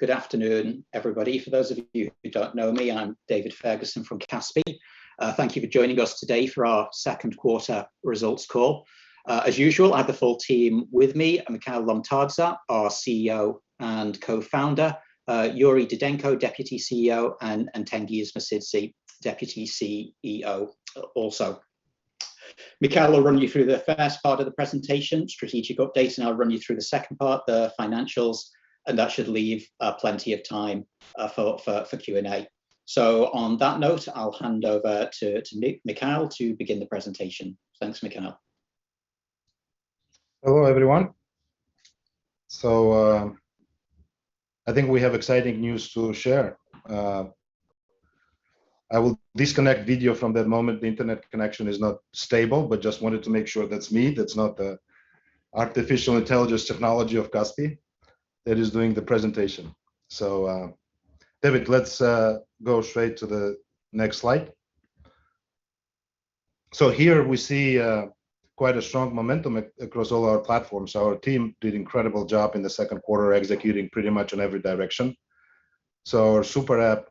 Good afternoon, everybody. For those of you who don't know me, I'm David Ferguson from Kaspi. Thank you for joining us today for our second quarter results call. As usual, I have the full team with me. Mikhail Lomtadze, our CEO and co-founder. Yuri Didenko, Deputy CEO, and Tengiz Mosidze, Deputy CEO also. Mikhail will run you through the first part of the presentation, strategic updates, and I'll run you through the second part, the financials, and that should leave plenty of time for Q&A. On that note, I'll hand over to Mikhail to begin the presentation. Thanks, Mikhail. Hello, everyone. I think we have exciting news to share. I will disconnect video from that moment. The internet connection is not stable. Just wanted to make sure that's me, that's not the artificial intelligence technology of Kaspi that is doing the presentation. David, let's go straight to the next slide. Here we see quite a strong momentum across all our platforms. Our team did incredible job in the second quarter, executing pretty much in every direction. Our super app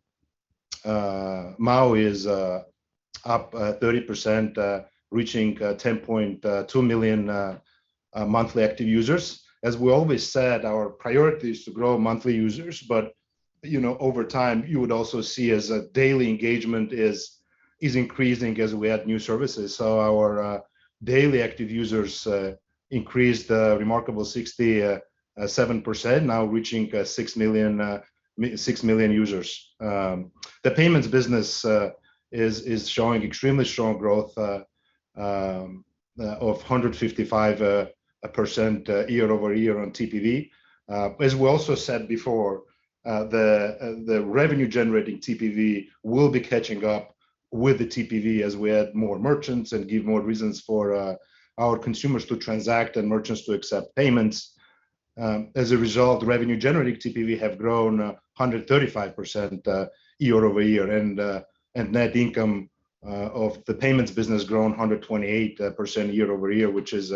MAU is up 30%, reaching 10.2 million monthly active users. As we always said, our priority is to grow monthly users. Over time you would also see as a daily engagement is increasing as we add new services. Our daily active users increased a remarkable 67%, now reaching 6 million users. The payments business is showing extremely strong growth of 155% year-over-year on TPV. As we also said before, the revenue generating TPV will be catching up with the TPV as we add more merchants and give more reasons for our consumers to transact and merchants to accept payments. As a result, the revenue generating TPV have grown 135% year-over-year. Net income of the payments business grown 128% year-over-year, which is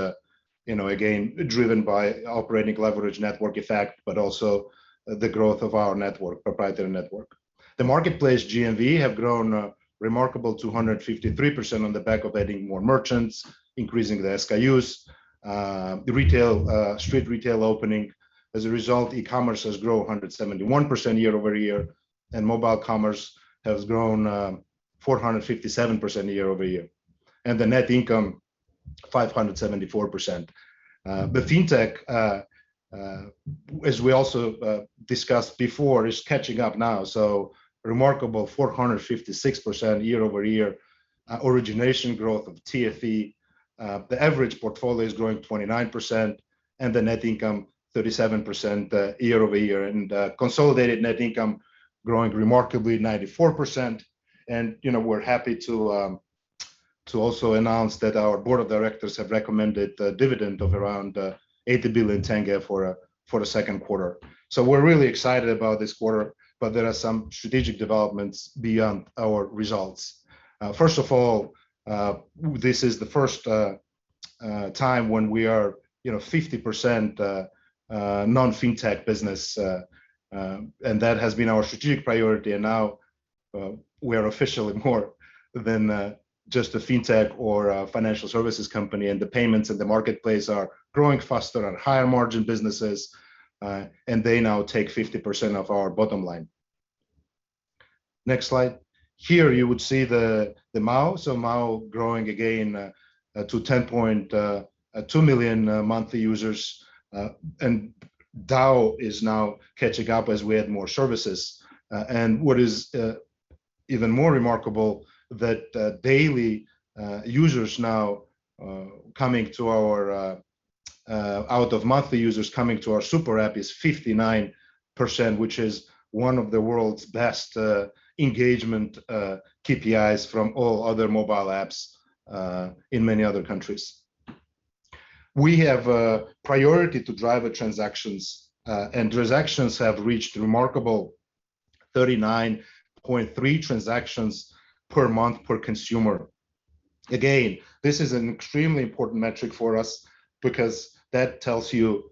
again, driven by operating leverage network effect, but also the growth of our proprietary network. The marketplace GMV have grown a remarkable 253% on the back of adding more merchants, increasing the SKUs, the retail opening. As a result, e-commerce has grown 171% year-over-year, and mobile commerce has grown 457% year-over-year. The net income 574%. The fintech, as we also discussed before, is catching up now, so remarkable 456% year-over-year origination growth of TFE. The average portfolio is growing 29%, and the net income 37% year-over-year. Consolidated net income growing remarkably 94%. We're happy to also announce that our board of directors have recommended a dividend of around KZT 80 billion for the second quarter. We're really excited about this quarter, but there are some strategic developments beyond our results. First of all, this is the first time when we are 50% non-fintech business. That has been our strategic priority, and now we are officially more than just a fintech or a financial services company, and the payments at the marketplace are growing faster and higher margin businesses. They now take 50% of our bottom line. Next slide. Here, you would see the MAU. MAU growing again to 10.2 million monthly users. DAU is now catching up as we add more services. What is even more remarkable, that daily users now out of monthly users coming to our Super App is 59%, which is one of the world's best engagement KPIs from all other mobile apps in many other countries. We have a priority to drive transactions. Transactions have reached a remarkable 39.3 transactions per month per consumer. Again, this is an extremely important metric for us because that tells you,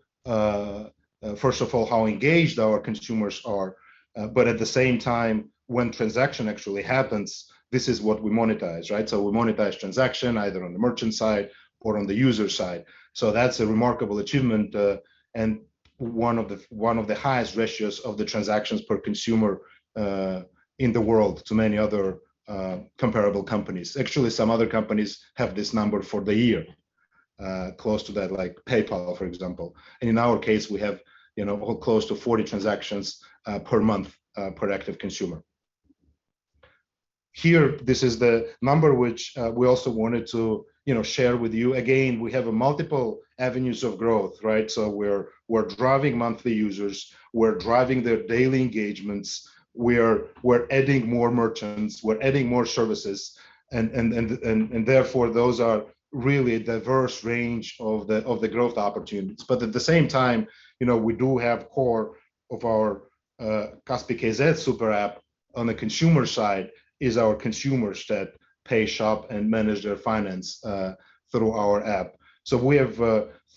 first of all, how engaged our consumers are. At the same time, when transaction actually happens, this is what we monetize, right? We monetize transaction either on the merchant side or on the user side. That's a remarkable achievement, and one of the highest ratios of the transactions per consumer in the world to many other comparable companies. Actually, some other companies have this number for the year close to that, like PayPal, for example. In our case, we have close to 40 transactions per month per active consumer. Here, this is the number which we also wanted to share with you. Again, we have multiple avenues of growth, right? We're driving monthly users, we're driving their daily engagements. We're adding more merchants, we're adding more services, and therefore, those are really a diverse range of the growth opportunities. At the same time, we do have core of our Kaspi.kz Super App on the consumer side is our consumers that pay, shop, and manage their finance through our app. We have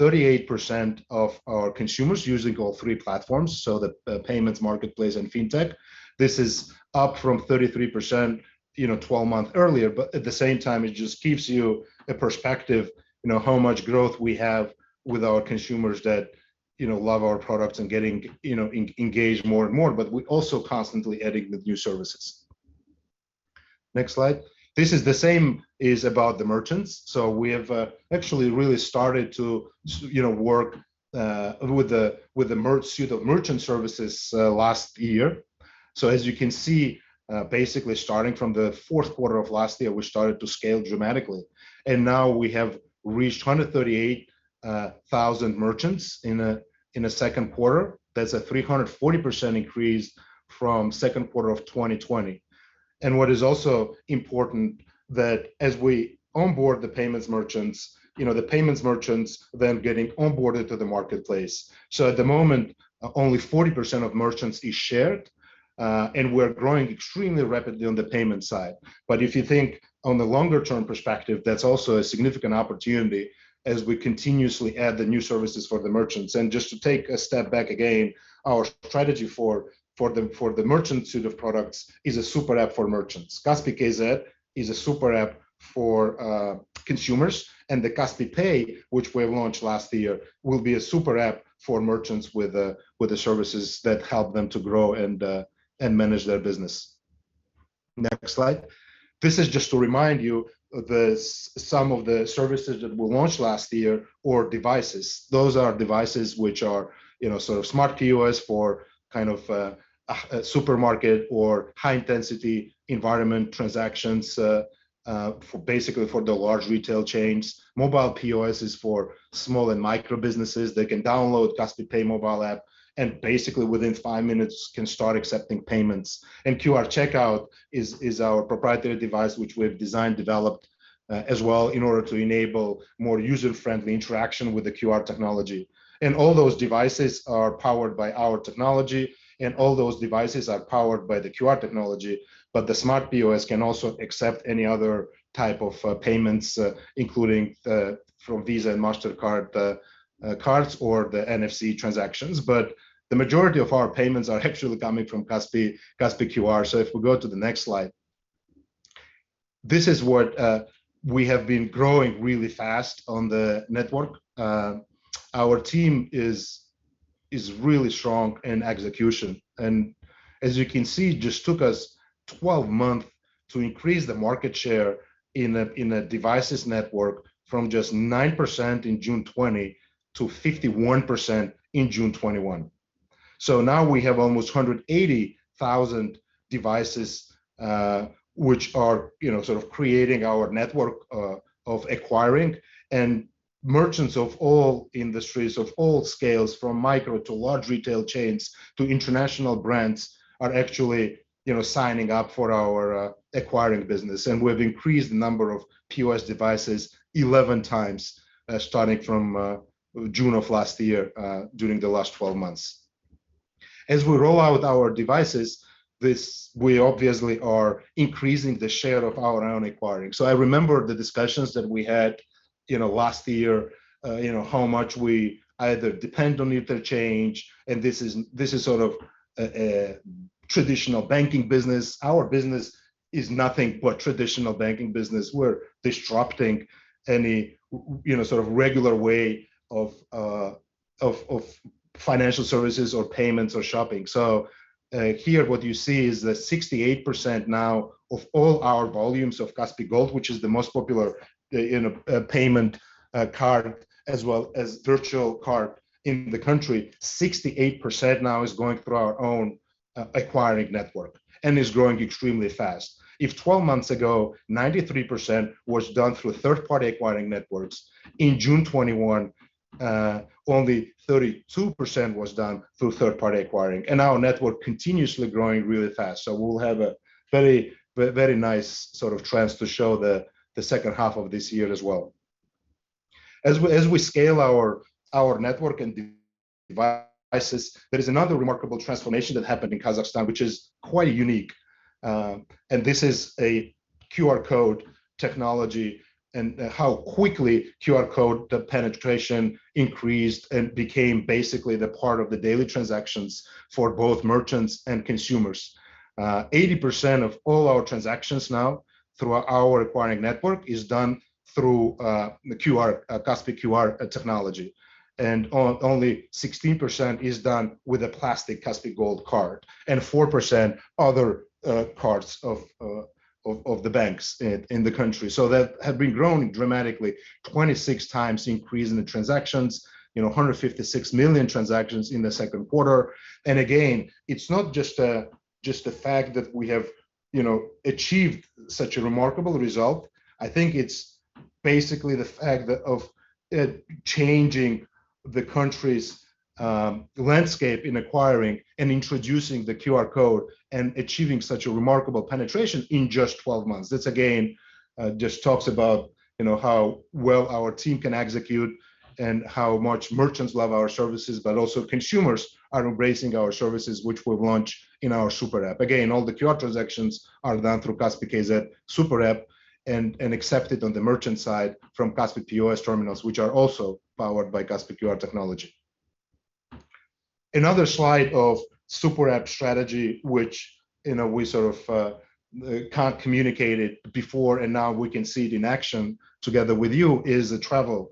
38% of our consumers using all three platforms, the payments marketplace and fintech. This is up from 33%, 12 months earlier, at the same time, it just gives you a perspective, how much growth we have with our consumers that love our products and getting engaged more and more. We also constantly adding the new services. Next slide. This is the same, is about the merchants. We have actually really started to work with the merchant services last year. As you can see, basically starting from the fourth quarter of last year, we started to scale dramatically. Now we have reached 138,000 merchants in the second quarter. That's a 340% increase from second quarter of 2020. What is also important that as we onboard the payments merchants, the payments merchants then getting onboarded to the marketplace. At the moment, only 40% of merchants is shared, and we're growing extremely rapidly on the payment side. If you think on the longer-term perspective, that's also a significant opportunity as we continuously add the new services for the merchants. Just to take a step back again, our strategy for the merchant suite of products is a super app for merchants. Kaspi.kz is a super app for consumers, and the Kaspi Pay, which we launched last year, will be a super app for merchants with the services that help them to grow and manage their business. Next slide. This is just to remind you some of the services that we launched last year or devices. Those are devices which are sort of smart POS for supermarket or high-intensity environment transactions basically for the large retail chains. Mobile POS is for small and micro businesses that can download Kaspi Pay mobile app and basically within 5 minutes can start accepting payments. QR checkout is our proprietary device which we've designed, developed as well in order to enable more user-friendly interaction with the QR technology. All those devices are powered by our technology, and all those devices are powered by the QR technology. The smart POS can also accept any other type of payments including from Visa and MasterCard cards or the NFC transactions. The majority of our payments are actually coming from Kaspi QR. If we go to the next slide. This is what we have been growing really fast on the network. Our team is really strong in execution. As you can see, just took us 12 months to increase the market share in the devices network from just 9% in June 2020 to 51% in June 2021. Now we have almost 180,000 devices which are sort of creating our network of acquiring, and merchants of all industries, of all scales from micro to large retail chains to international brands are actually signing up for our acquiring business. We've increased the number of POS devices 11 times starting from June of last year during the last 12 months. As we roll out our devices, we obviously are increasing the share of our own acquiring. I remember the discussions that we had last year, how much we either depend on interchange and this is sort of a traditional banking business. Our business is nothing but traditional banking business. We're disrupting any sort of regular way of financial services or payments or shopping. Here what you see is that 68% now of all our volumes of Kaspi Gold, which is the most popular payment card as well as virtual card in the country, 68% now is going through our own acquiring network and is growing extremely fast. If 12 months ago, 93% was done through third-party acquiring networks, in June 2021, only 32% was done through third-party acquiring. Our network continuously growing really fast. We'll have a very nice sort of trends to show the second half of this year as well. As we scale our network and devices, there is another remarkable transformation that happened in Kazakhstan, which is quite unique. This is a QR code technology and how quickly QR code penetration increased and became basically the part of the daily transactions for both merchants and consumers. 80% of all our transactions now through our acquiring network is done through Kaspi QR technology, and only 16% is done with a plastic Kaspi Gold Card, and 4% other cards of the banks in the country. That had been growing dramatically, 26 times increase in the transactions, 156 million transactions in the second quarter. Again, it's not just the fact that we have achieved such a remarkable result. I think it's basically the fact that of it changing the country's landscape in acquiring and introducing the QR code and achieving such a remarkable penetration in just 12 months. This again just talks about how well our team can execute and how much merchants love our services, but also consumers are embracing our services, which we'll launch in our super app. All the QR transactions are done through Kaspi.kz super app and accepted on the merchant side from Kaspi POS terminals, which are also powered by Kaspi QR technology. Another slide of super app strategy, which we sort of can't communicate it before and now we can see it in action together with you, is the travel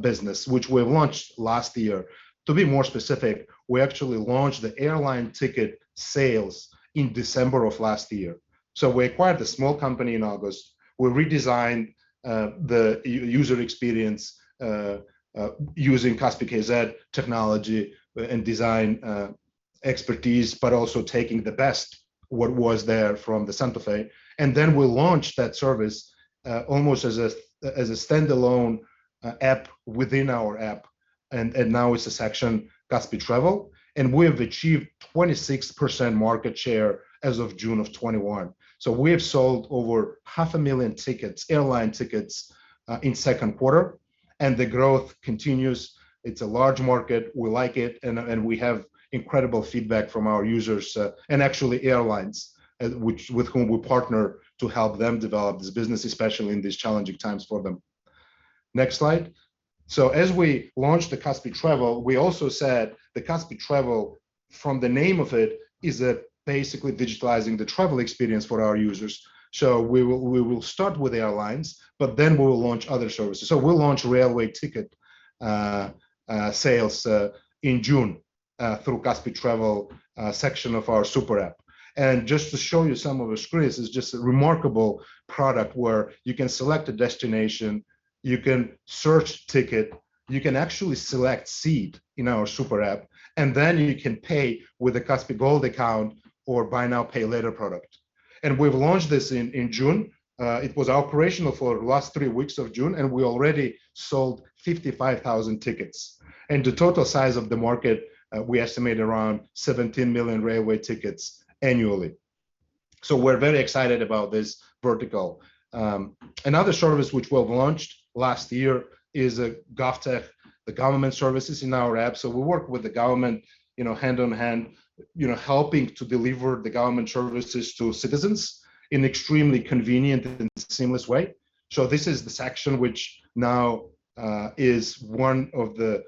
business, which we've launched last year. To be more specific, we actually launched the airline ticket sales in December of last year. We acquired a small company in August. We redesigned the user experience using Kaspi.kz technology and design expertise, but also taking the best what was there from the Santa Fe. We launched that service almost as a standalone app within our app. Now it's a section, Kaspi Travel, and we have achieved 26% market share as of June of 2021. We have sold over half a million tickets, airline tickets in second quarter, and the growth continues. It's a large market. We like it, and we have incredible feedback from our users and actually airlines, with whom we partner to help them develop this business, especially in these challenging times for them. Next slide. As we launched the Kaspi Travel, we also said the Kaspi Travel, from the name of it, is basically digitalizing the travel experience for our users. We will start with airlines, but then we will launch other services. We'll launch railway ticket sales in June through Kaspi Travel section of our super app. Just to show you some of the screens, it's just a remarkable product where you can select a destination, you can search ticket, you can actually select seat in our super app, then you can pay with a Kaspi Gold account or buy now, pay later product. We've launched this in June. It was operational for last three weeks of June, and we already sold 55,000 tickets. The total size of the market, we estimate around 17 million railway tickets annually. We're very excited about this vertical. Another service which we've launched last year is GovTech, the government services in our app. We work with the government hand on hand helping to deliver the government services to citizens in extremely convenient and seamless way. This is the section which now is one of the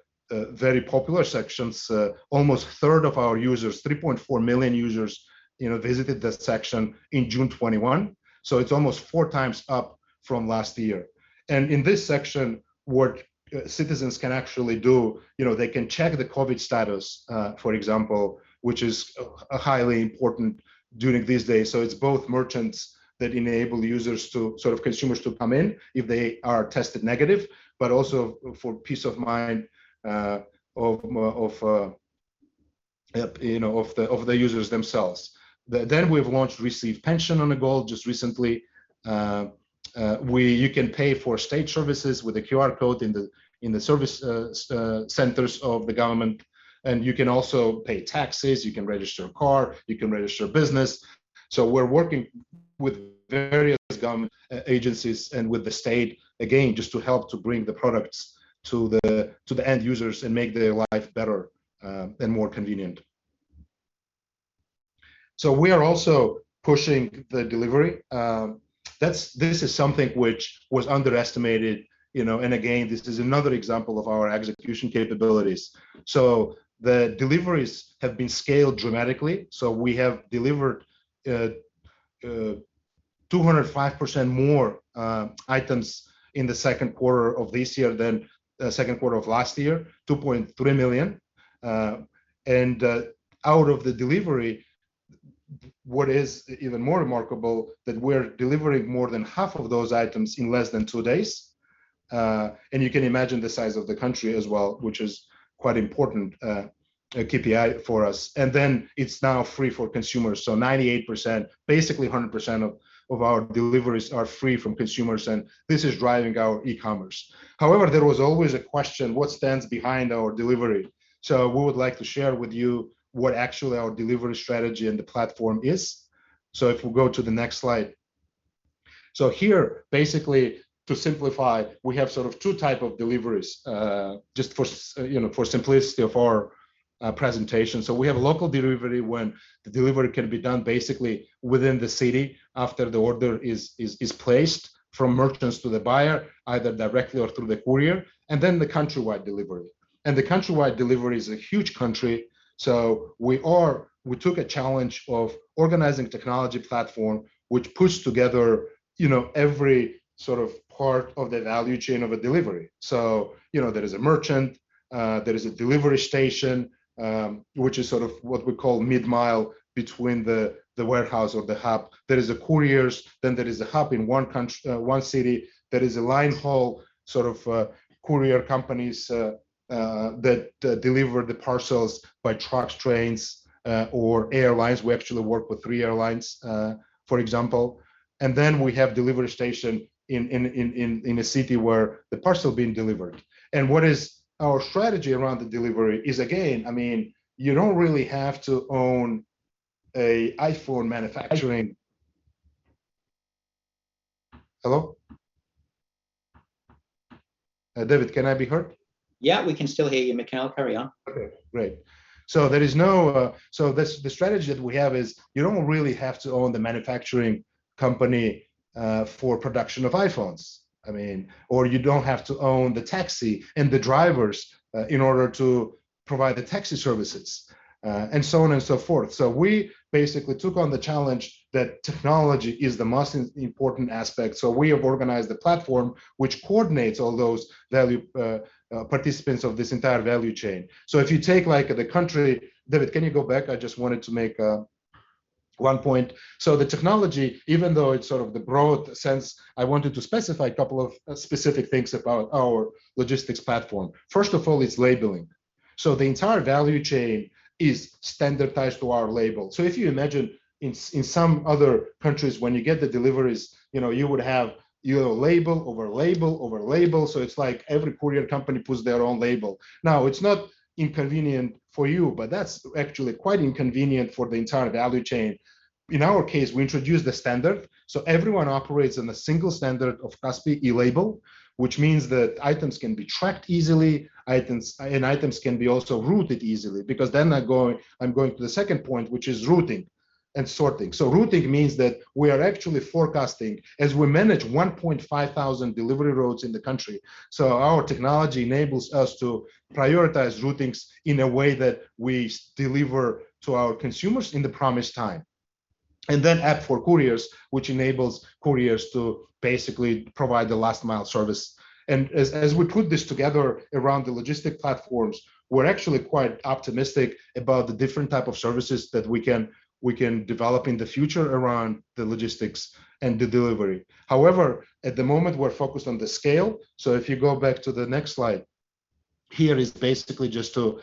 very popular sections. Almost third of our users, 3.4 million users visited this section in June 2021. It's almost four times up from last year. In this section, what citizens can actually do, they can check the COVID status, for example, which is highly important during these days. It's both merchants that enable users to, sort of consumers to come in if they are tested negative, but also for peace of mind of the users themselves. We've launched Receive pension on Kaspi Gold just recently, where you can pay for state services with a QR code in the service centers of the government, and you can also pay taxes, you can register a car, you can register a business. We're working with various government agencies and with the state, again, just to help to bring the products to the end users and make their life better and more convenient. We are also pushing the delivery. This is something which was underestimated, and again, this is another example of our execution capabilities. The deliveries have been scaled dramatically. We have delivered 205% more items in the second quarter of this year than second quarter of last year, 2.3 million. Out of the delivery, what is even more remarkable that we're delivering more than half of those items in less than two days. You can imagine the size of the country as well, which is quite important KPI for us. It's now free for consumers. 98%, basically 100% of our deliveries are free from consumers, and this is driving our e-commerce. However, there was always a question, what stands behind our delivery? We would like to share with you what actually our delivery strategy and the platform is. If we go to the next slide. Here, basically to simplify, we have sort of two type of deliveries just for simplicity of our presentation. We have local delivery when the delivery can be done basically within the city after the order is placed from merchants to the buyer, either directly or through the courier, and then the countrywide delivery. The countrywide delivery is a huge country. We took a challenge of organizing technology platform which puts together every part of the value chain of a delivery. There is a merchant, there is a delivery station, which is sort of what we call mid-mile between the warehouse or the hub. There is a couriers, then there is a hub in one city. There is a line-haul courier companies that deliver the parcels by trucks, trains, or airlines. We actually work with three airlines for example. Then we have delivery station in a city where the parcel being delivered. What is our strategy around the delivery is, again, you don't really have to own. Hello? David, can I be heard? Yeah, we can still hear you, Mikhail. Carry on. Okay, great. The strategy that we have is you don't really have to own the manufacturing company for production of iPhones. You don't have to own the taxi and the drivers in order to provide the taxi services, and so on and so forth. We basically took on the challenge that technology is the most important aspect. We have organized the platform which coordinates all those value participants of this entire value chain. If you take the country David, can you go back? I just wanted to make one point. The technology, even though it's the broad sense, I wanted to specify a couple of specific things about our logistics platform. First of all, it's labeling. The entire value chain is standardized to our label. If you imagine in some other countries, when you get the deliveries, you would have your label over label, so it's like every courier company puts their own label. It's not inconvenient for you, but that's actually quite inconvenient for the entire value chain. In our case, we introduced the standard, so everyone operates on a single standard of Kaspi e-label, which means that items can be tracked easily and items can be also routed easily, because then I'm going to the second point, which is routing and sorting. Routing means that we are actually forecasting as we manage 1,500 delivery routes in the country. Our technology enables us to prioritize routings in a way that we deliver to our consumers in the promised time. Then app for couriers, which enables couriers to basically provide the last-mile service. As we put this together around the logistics platforms, we're actually quite optimistic about the different type of services that we can develop in the future around the logistics and the delivery. However, at the moment, we're focused on the scale. If you go back to the next slide. Here is basically just to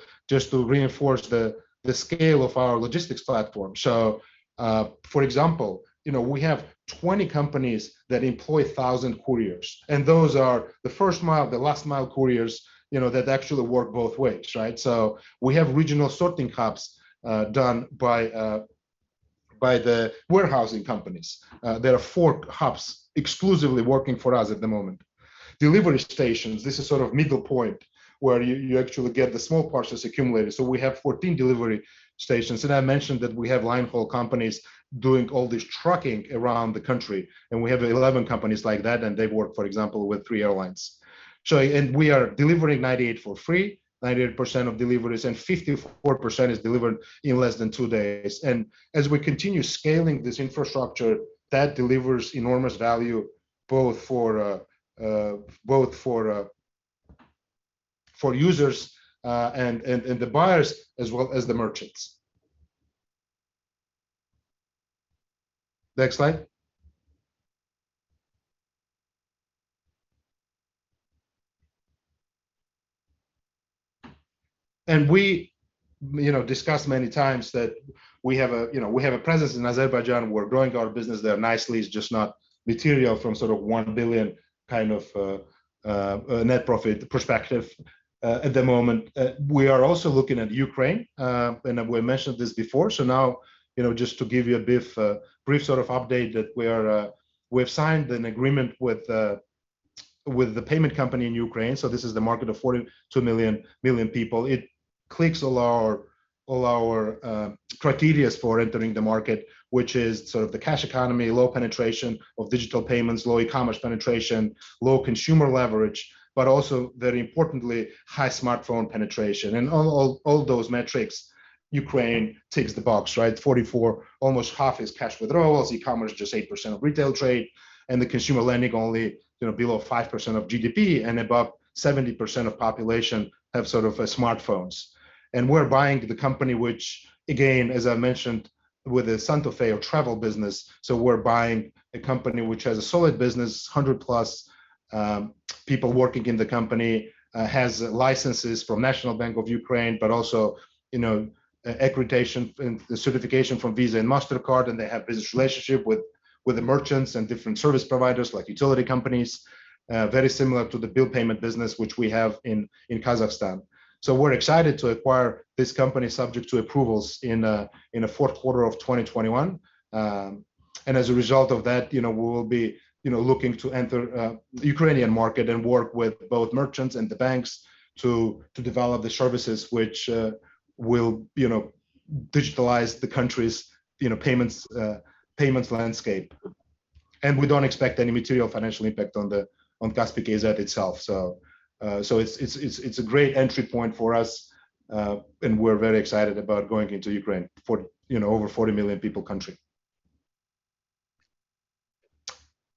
reinforce the scale of our logistics platform. For example we have 20 companies that employ 1,000 couriers, and those are the first-mile, the last-mile couriers that actually work both ways. We have regional sorting hubs done by the warehousing companies. There are four hubs exclusively working for us at the moment. Delivery stations, this is sort of middle point where you actually get the small parcels accumulated. We have 14 delivery stations. I mentioned that we have line-haul companies doing all this trucking around the country. We have 11 companies like that. They work, for example, with three airlines. We are delivering 98% for free, 98% of deliveries. 54% is delivered in less than two days. As we continue scaling this infrastructure, that delivers enormous value both for users and the buyers as well as the merchants. Next slide. We discussed many times that we have a presence in Azerbaijan. We're growing our business there nicely. It's just not material from sort of KZT 1 billion kind of net profit perspective at the moment. We are also looking at Ukraine. We mentioned this before. Now, just to give you a brief sort of update that we've signed an agreement with the payment company in Ukraine. This is the market of 42 million people. It clicks all our criterias for entering the market, which is sort of the cash economy, low penetration of digital payments, low e-commerce penetration, low consumer leverage, but also very importantly, high smartphone penetration. All those metrics Ukraine ticks the box. 44, almost half is cash withdrawals, e-commerce just 8% of retail trade, and the consumer lending only below 5% of GDP, and above 70% of population have smartphones. We're buying the company, which again, as I mentioned, with the Santa Fe or travel business. We're buying a company which has a solid business, 100+ people working in the company. It has licenses from National Bank of Ukraine, but also accreditation and certification from Visa and MasterCard. They have business relationship with the merchants and different service providers like utility companies, very similar to the bill payment business which we have in Kazakhstan. We're excited to acquire this company subject to approvals in fourth quarter of 2021. As a result of that, we will be looking to enter the Ukrainian market and work with both merchants and the banks to develop the services which will digitalize the country's payments landscape. We don't expect any material financial impact on Kaspi.kz itself. It's a great entry point for us, and we're very excited about going into Ukraine, over 40 million people country.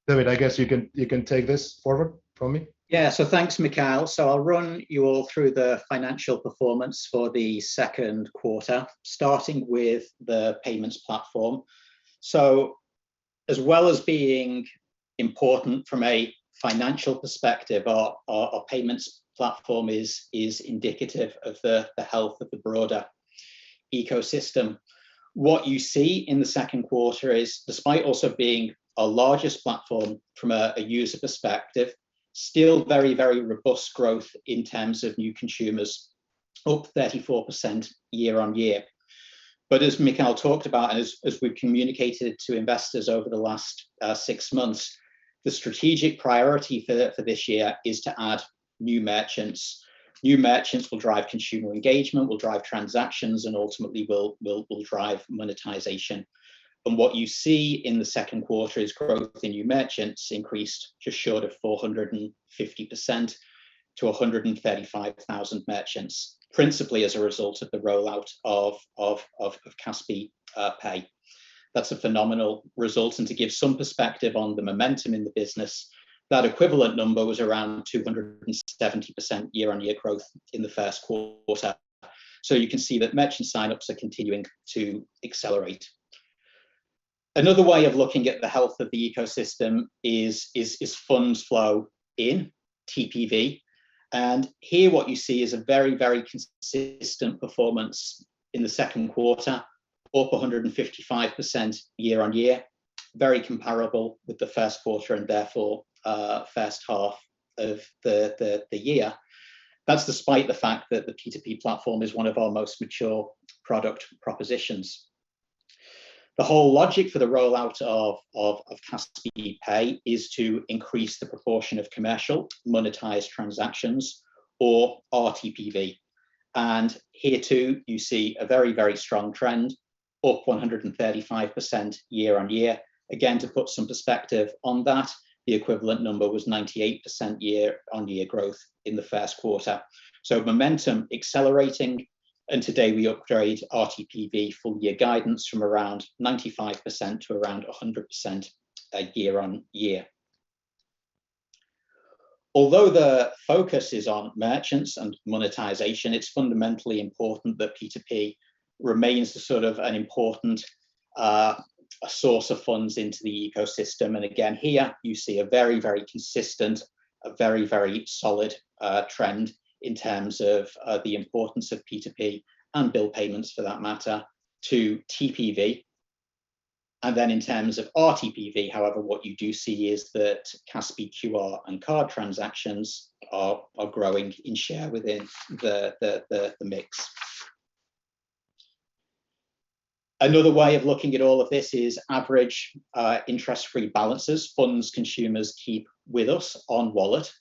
David, I guess you can take this forward from me. Yeah. Thanks, Mikhail. I'll run you all through the financial performance for the second quarter, starting with the payments platform. As well as being important from a financial perspective, our payments platform is indicative of the health of the broader ecosystem. What you see in the second quarter is, despite also being our largest platform from a user perspective, still very, very robust growth in terms of new consumers, up 34% year-on-year. As Mikhail talked about, and as we've communicated to investors over the last 6 months, the strategic priority for this year is to add new merchants. New merchants will drive consumer engagement, will drive transactions, and ultimately will drive monetization. What you see in the second quarter is growth in new merchants increased just short of 450% to 135,000 merchants, principally as a result of the rollout of Kaspi Pay. That's a phenomenal result. To give some perspective on the momentum in the business, that equivalent number was around 270% year-on-year growth in the first quarter. You can see that merchant sign-ups are continuing to accelerate. Another way of looking at the health of the ecosystem is funds flow in TPV. Here what you see is a very, very consistent performance in the second quarter, up 155% year-on-year. Very comparable with the first quarter and therefore, first half of the year. That's despite the fact that the P2P platform is one of our most mature product propositions. The whole logic for the rollout of Kaspi Pay is to increase the proportion of commercial monetized transactions or RTPV. Here too you see a very, very strong trend, up 135% year-on-year. To put some perspective on that, the equivalent number was 98% year-over-year growth in the first quarter. Momentum accelerating, and today we upgrade RTPV full year guidance from around 95% to around 100% year-over-year. Although the focus is on merchants and monetization, it's fundamentally important that P2P remains an important source of funds into the ecosystem. Here you see a very, very consistent, a very, very solid trend in terms of the importance of P2P and bill payments for that matter to TPV. In terms of RTPV, however, what you do see is that Kaspi QR and card transactions are growing in share within the mix. Another way of looking at all of this is average interest-free balances, funds consumers keep with us on wallet.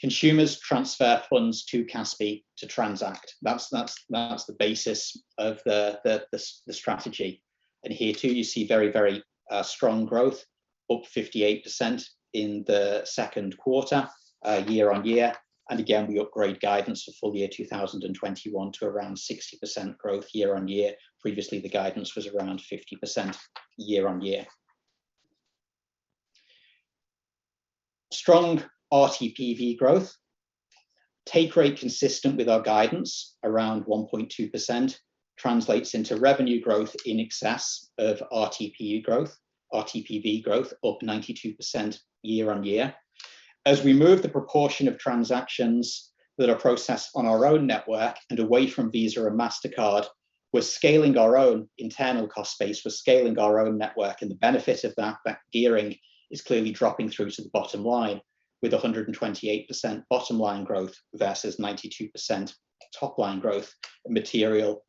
Consumers transfer funds to Kaspi to transact. That's the basis of the strategy. Here too you see very, very strong growth, up 58% in the second quarter year-on-year. Again, we upgrade guidance for full year 2021 to around 60% growth year-on-year. Previously, the guidance was around 50% year-on-year. Strong RTPV growth. Take rate consistent with our guidance, around 1.2%, translates into revenue growth in excess of RTPV growth, RTPV growth up 92% year-on-year. As we move the proportion of transactions that are processed on our own network and away from Visa or MasterCard, we're scaling our own internal cost base, we're scaling our own network. The benefit of that gearing is clearly dropping through to the bottom line with 128% bottom line growth versus 92% top line growth, a material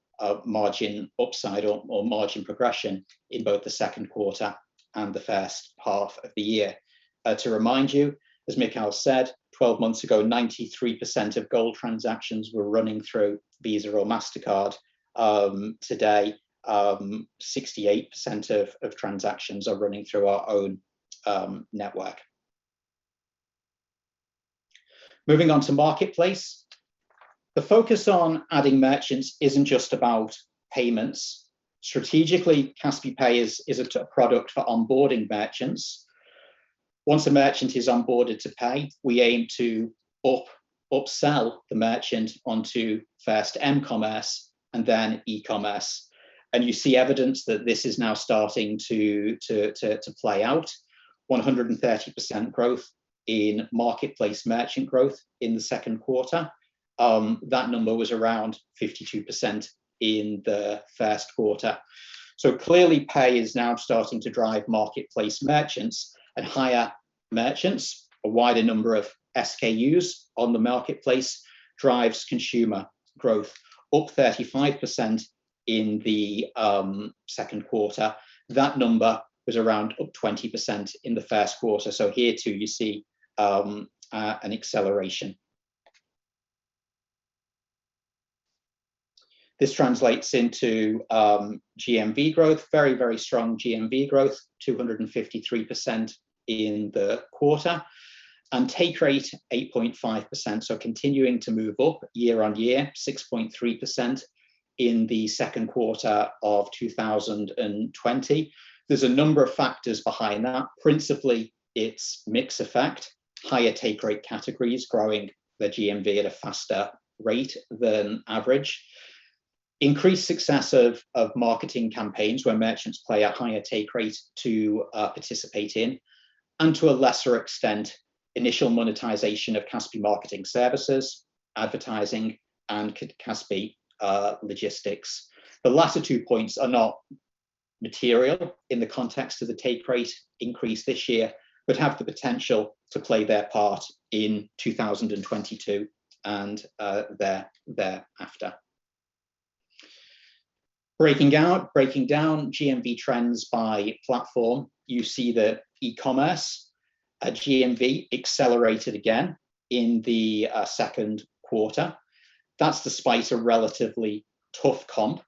margin upside or margin progression in both the second quarter and the first half of the year. To remind you, as Mikhail said, 12 months ago, 93% of Kaspi Gold transactions were running through Visa or MasterCard. Today, 68% of transactions are running through our own network. Moving on to Marketplace. The focus on adding merchants isn't just about payments. Strategically, Kaspi Pay is a product for onboarding merchants. Once a merchant is onboarded to Pay, we aim to upsell the merchant onto first m-commerce and then e-commerce. You see evidence that this is now starting to play out. 130% growth in Marketplace merchant growth in the second quarter. That number was around 52% in the first quarter. Clearly Pay is now starting to drive Marketplace merchants and higher merchants. A wider number of SKUs on the Marketplace drives consumer growth, up 35% in the second quarter. That number was around up 20% in the first quarter. Here too you see an acceleration. This translates into GMV growth, very, very strong GMV growth, 253% in the quarter. Take rate 8.5%, so continuing to move up year-on-year, 6.3% in the second quarter of 2020. There's a number of factors behind that. Principally, it's mix effect, higher take rate categories growing the GMV at a faster rate than average. Increased success of marketing campaigns where merchants pay a higher take rate to participate in. To a lesser extent, initial monetization of Kaspi Marketing, advertising, and Kaspi Logistics. The latter two points are not material in the context of the take rate increase this year, but have the potential to play their part in 2022 and thereafter. Breaking down GMV trends by platform, you see that e-commerce, GMV accelerated again in the second quarter. That's despite a relatively tough comp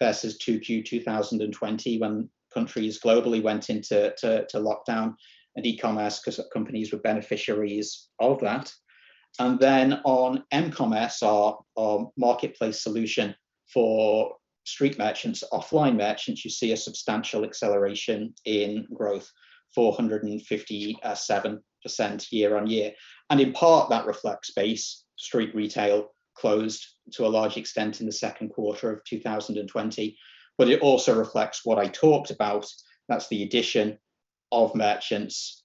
versus Q2 2020, when countries globally went into lockdown and e-commerce, because companies were beneficiaries of that. Then on m-commerce, our marketplace solution for street merchants, offline merchants, you see a substantial acceleration in growth, 457% year-on-year. It also reflects what I talked about, that's the addition of merchants,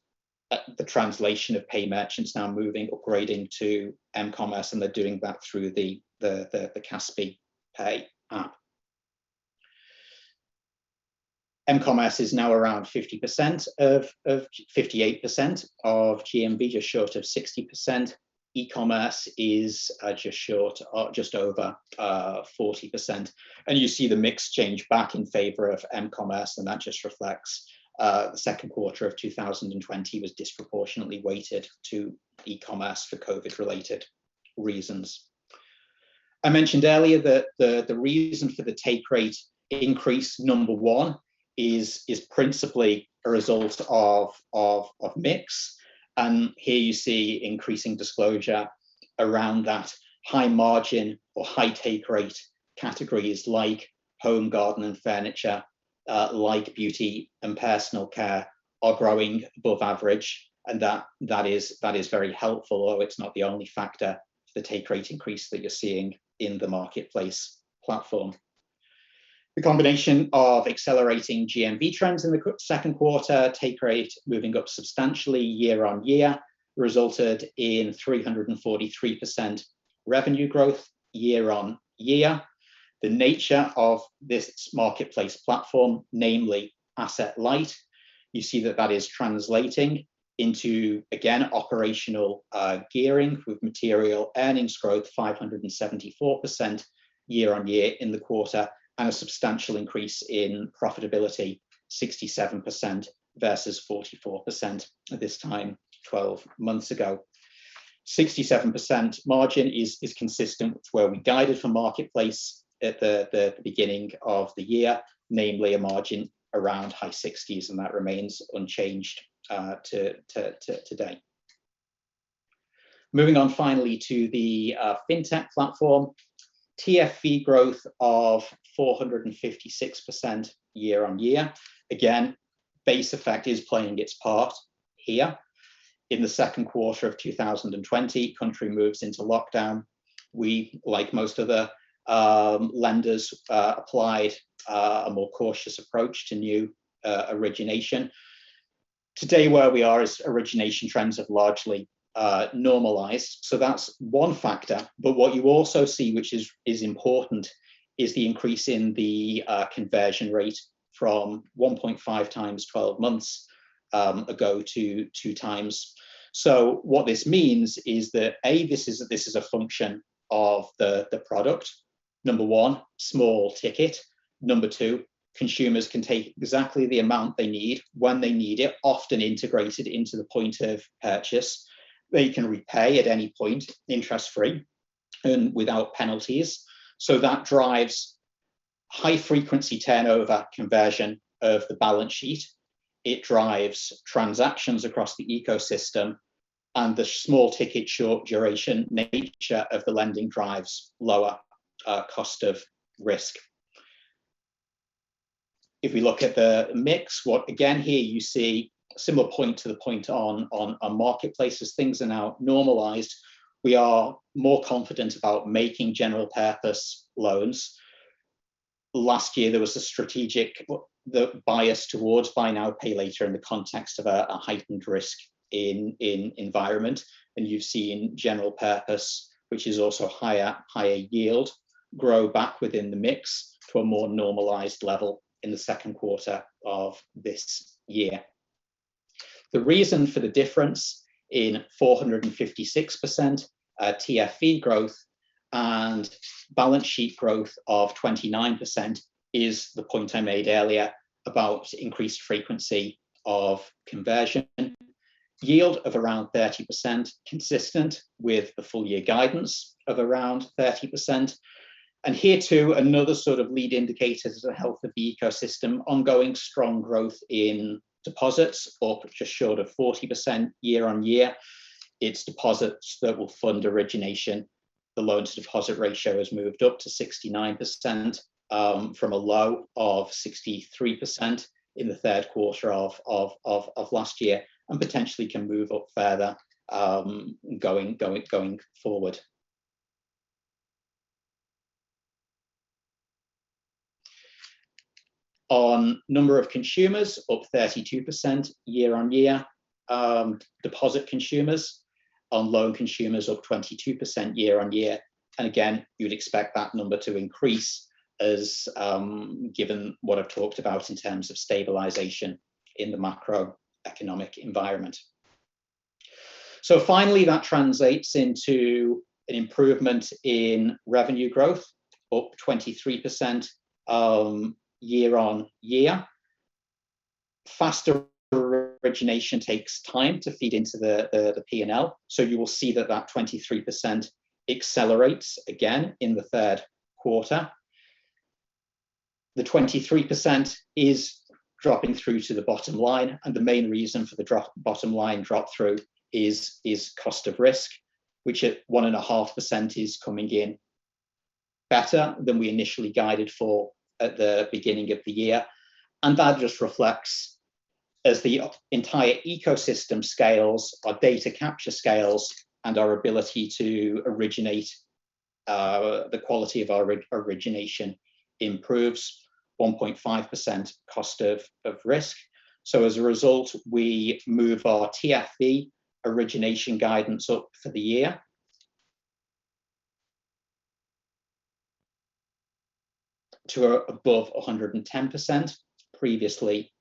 the translation of pay merchants now moving, upgrading to m-commerce, and they're doing that through the Kaspi Pay app. M-commerce is now around 58% of GMV, just short of 60%. E-commerce is just over 40%. You see the mix change back in favor of m-commerce, and that just reflects the second quarter of 2020 was disproportionately weighted to e-commerce for COVID-related reasons. I mentioned earlier that the reason for the take rate increase, number 1, is principally a result of mix. Here you see increasing disclosure around that high margin or high take rate categories like home, garden, and furniture, like beauty and personal care, are growing above average, and that is very helpful, although it's not the only factor for the take rate increase that you're seeing in the marketplace platform. The combination of accelerating GMV trends in the second quarter, take rate moving up substantially year-on-year, resulted in 343% revenue growth year-on-year. The nature of this marketplace platform, namely asset light, you see that that is translating into, again, operational gearing with material earnings growth 574% year-on-year in the quarter, and a substantial increase in profitability, 67% versus 44% at this time 12 months ago. 67% margin is consistent with where we guided for Marketplace at the beginning of the year, namely a margin around high 60s. That remains unchanged to date. Moving on finally to the Fintech Platform. TFE growth of 456% year-on-year. Base effect is playing its part here. In the second quarter of 2020, country moves into lockdown. We, like most other lenders, applied a more cautious approach to new origination. Today, where we are is origination trends have largely normalized. That's one factor. What you also see, which is important, is the increase in the conversion rate from 1.5 times 12 months ago to 2 times. What this means is that, A, this is a function of the product. Number one, small ticket. Number two, consumers can take exactly the amount they need when they need it, often integrated into the point of purchase. They can repay at any point interest-free and without penalties. That drives high-frequency turnover conversion of the balance sheet. It drives transactions across the ecosystem, and the small ticket short duration nature of the lending drives lower cost of risk. If we look at the mix, again, here you see a similar point to the point on our marketplace. As things are now normalized, we are more confident about making general purpose loans. Last year, there was a strategic bias towards buy now, pay later in the context of a heightened risk in environment. You've seen general purpose, which is also higher yield, grow back within the mix to a more normalized level in the second quarter of this year. The reason for the difference in 456% TFE growth and balance sheet growth of 29% is the point I made earlier about increased frequency of conversion. Yield of around 30%, consistent with the full year guidance of around 30%. Here, too, another sort of lead indicator as a health of the ecosystem, ongoing strong growth in deposits, up just short of 40% year-on-year. It's deposits that will fund origination. The loans to deposit ratio has moved up to 69%, from a low of 63% in the third quarter of last year, and potentially can move up further going forward. Number of consumers, up 32% year-on-year. Deposit consumers and loan consumers up 22% year-on-year. Again, you would expect that number to increase as given what I've talked about in terms of stabilization in the macroeconomic environment. Finally, that translates into an improvement in revenue growth, up 23% year-on-year. Faster origination takes time to feed into the P&L, so you will see that that 23% accelerates again in the third quarter. The 23% is dropping through to the bottom line, and the main reason for the bottom line drop-through is cost of risk, which at 1.5% is coming in better than we initially guided for at the beginning of the year. That just reflects as the entire ecosystem scales, our data capture scales, and our ability to originate, the quality of our origination improves 1.5% cost of risk. As a result, we move our TFE origination guidance up for the year to above 110%. Previously,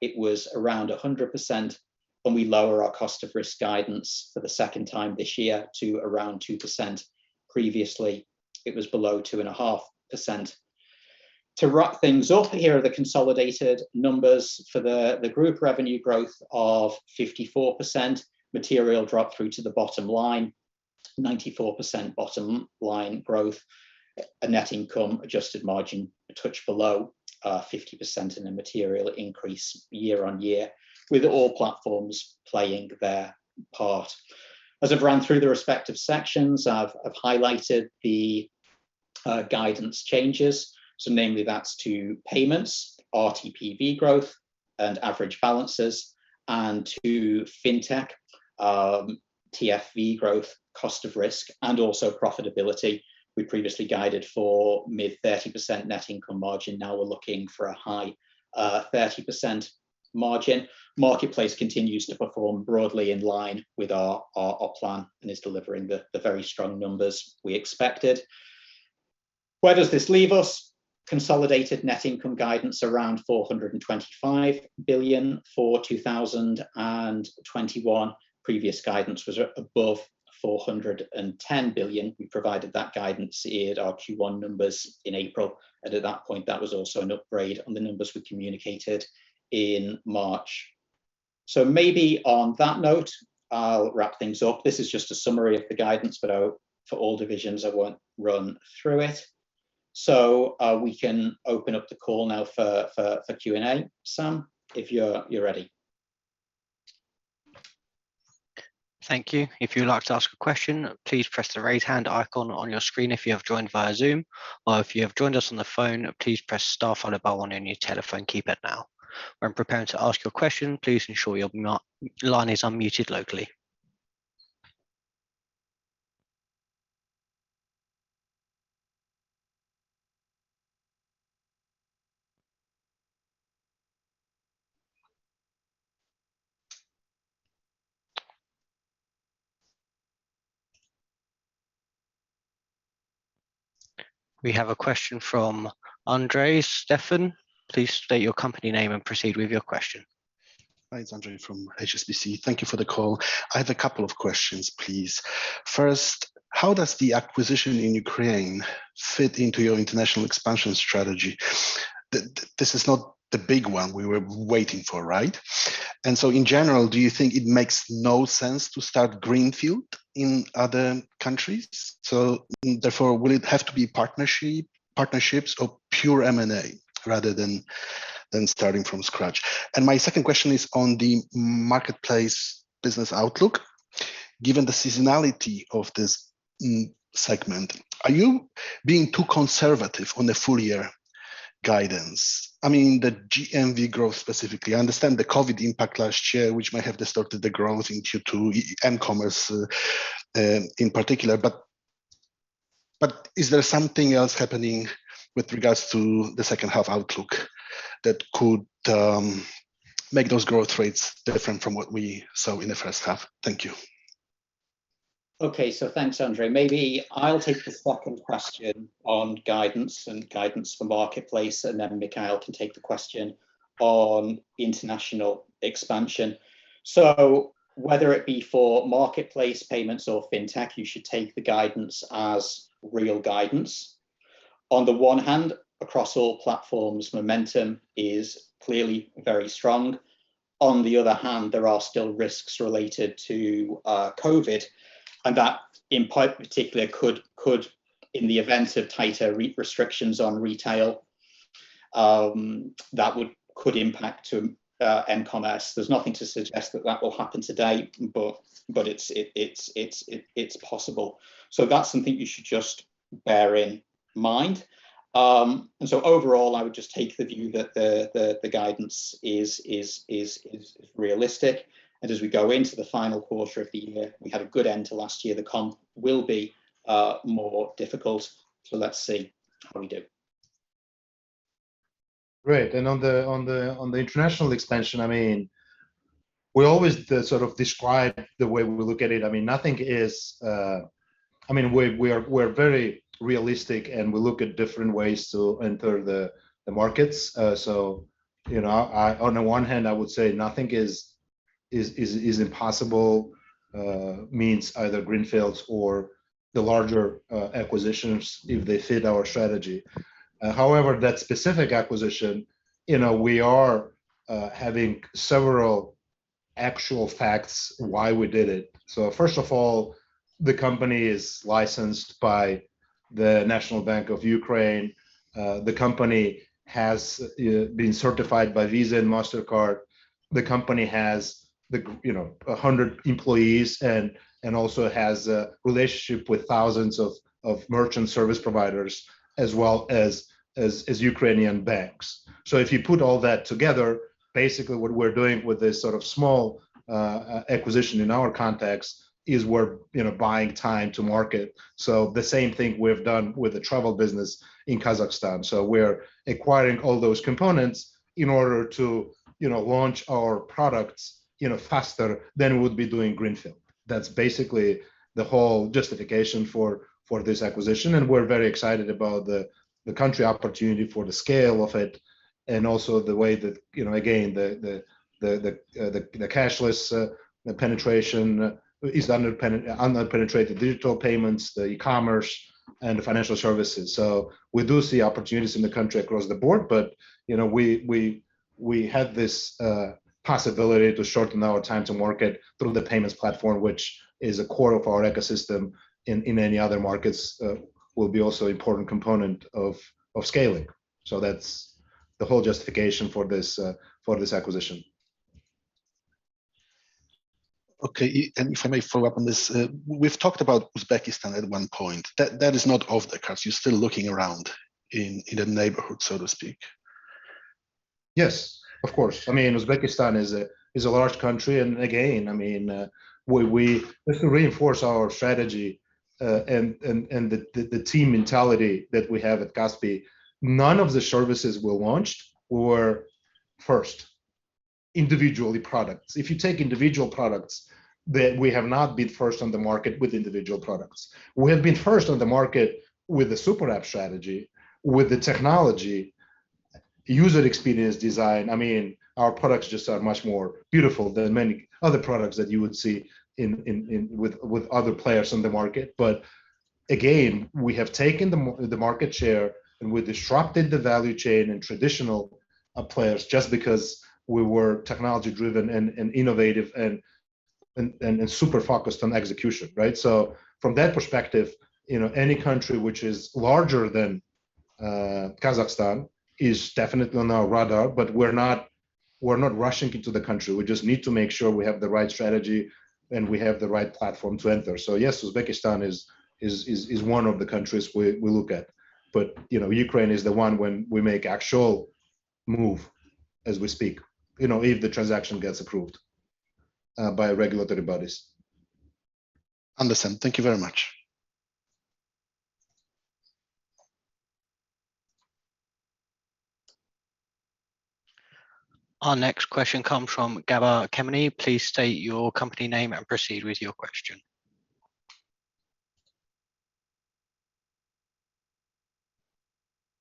it was around 100%, and we lower our cost of risk guidance for the second time this year to around 2%. Previously, it was below 2.5%. To wrap things up, here are the consolidated numbers for the group revenue growth of 54%, material drop-through to the bottom line, 94% bottom-line growth, a net income adjusted margin a touch below 50% and a material increase year on year with all platforms playing their part. As I've run through the respective sections, I've highlighted the guidance changes. Namely, that's to payments, RTPV growth and average balances, and to fintech, TPV growth, cost of risk, and also profitability. We previously guided for mid 30% net income margin. Now we're looking for a high 30% margin. Marketplace continues to perform broadly in line with our plan and is delivering the very strong numbers we expected. Where does this leave us? Consolidated net income guidance around KZT 425 billion for 2021. Previous guidance was above KZT 410 billion. We provided that guidance at our Q1 numbers in April, and at that point, that was also an upgrade on the numbers we communicated in March. Maybe on that note, I'll wrap things up. This is just a summary of the guidance for all divisions. I won't run through it. We can open up the call now for Q&A, Sam, if you're ready. Thank you. If you'd like to ask a question, please press the raise hand icon on your screen if you have joined via Zoom, or if you have joined us on the phone, please press star followed by one on your telephone keypad now. When preparing to ask your question, please ensure your line is unmuted locally. We have a question from Andres Stefan. Please state your company name and proceed with your question. Hi, it's Andre from HSBC. Thank you for the call. I have a couple of questions, please. First, how does the acquisition in Ukraine fit into your international expansion strategy? This is not the big one we were waiting for, right? In general, do you think it makes no sense to start greenfield in other countries? Therefore, will it have to be partnerships or pure M&A rather than starting from scratch? My second question is on the marketplace business outlook. Given the seasonality of this segment, are you being too conservative on the full-year guidance? I mean, the GMV growth specifically. I understand the COVID impact last year, which might have distorted the growth in Q2, m-commerce in particular. Is there something else happening with regards to the second half outlook that could make those growth rates different from what we saw in the first half? Thank you. Okay. Thanks, Andre. Maybe I'll take the second question on guidance and guidance for marketplace, and then Mikhail can take the question on international expansion. Whether it be for marketplace payments or fintech, you should take the guidance as real guidance. On the one hand, across all platforms, momentum is clearly very strong. On the other hand, there are still risks related to COVID, and that in particular could, in the event of tighter restrictions on retail, that could impact m-commerce. There's nothing to suggest that that will happen today, but it's possible. That's something you should just bear in mind. Overall, I would just take the view that the guidance is realistic. As we go into the final quarter of the year, we had a good end to last year, the comp will be more difficult. Let's see how we do. Great. On the international expansion, we always describe the way we look at it. We're very realistic, and we look at different ways to enter the markets. On the one hand, I would say nothing is impossible, means either greenfields or the larger acquisitions if they fit our strategy. However, that specific acquisition, we are having several actual facts why we did it. First of all, the company is licensed by the National Bank of Ukraine. The company has been certified by Visa and MasterCard. The company has 100 employees and also has a relationship with thousands of merchant service providers as well as Ukrainian banks. If you put all that together, basically what we're doing with this small acquisition in our context is we're buying time to market. The same thing we've done with the travel business in Kazakhstan. We're acquiring all those components in order to launch our products faster than would be doing greenfield. That's basically the whole justification for this acquisition, and we're very excited about the country opportunity for the scale of it and also the way that, again, the cashless penetration is underpenetrated digital payments, the e-commerce, and the financial services. We do see opportunities in the country across the board, but we have this possibility to shorten our time to market through the payments platform, which is a core of our ecosystem in any other markets will be also important component of scaling. That's the whole justification for this acquisition. Okay. If I may follow up on this, we've talked about Uzbekistan at one point. That is not off the cards. You're still looking around in the neighborhood, so to speak. Yes, of course. Uzbekistan is a large country. Again, just to reinforce our strategy and the team mentality that we have at Kaspi, none of the services were launched were first individually products. If you take individual products, we have not been first on the market with individual products. We have been first on the market with the super app strategy, with the technology, user experience design. Our products just are much more beautiful than many other products that you would see with other players on the market. Again, we have taken the market share and we disrupted the value chain and traditional players just because we were technology-driven and innovative and super focused on execution. Right? From that perspective, any country which is larger than Kazakhstan is definitely on our radar, but we're not rushing into the country. We just need to make sure we have the right strategy and we have the right platform to enter. Yes, Uzbekistan is one of the countries we look at. Ukraine is the one when we make actual move as we speak, if the transaction gets approved by regulatory bodies. Understand. Thank you very much. Our next question comes from Gabor Kemeny. Please state your company name and proceed with your question.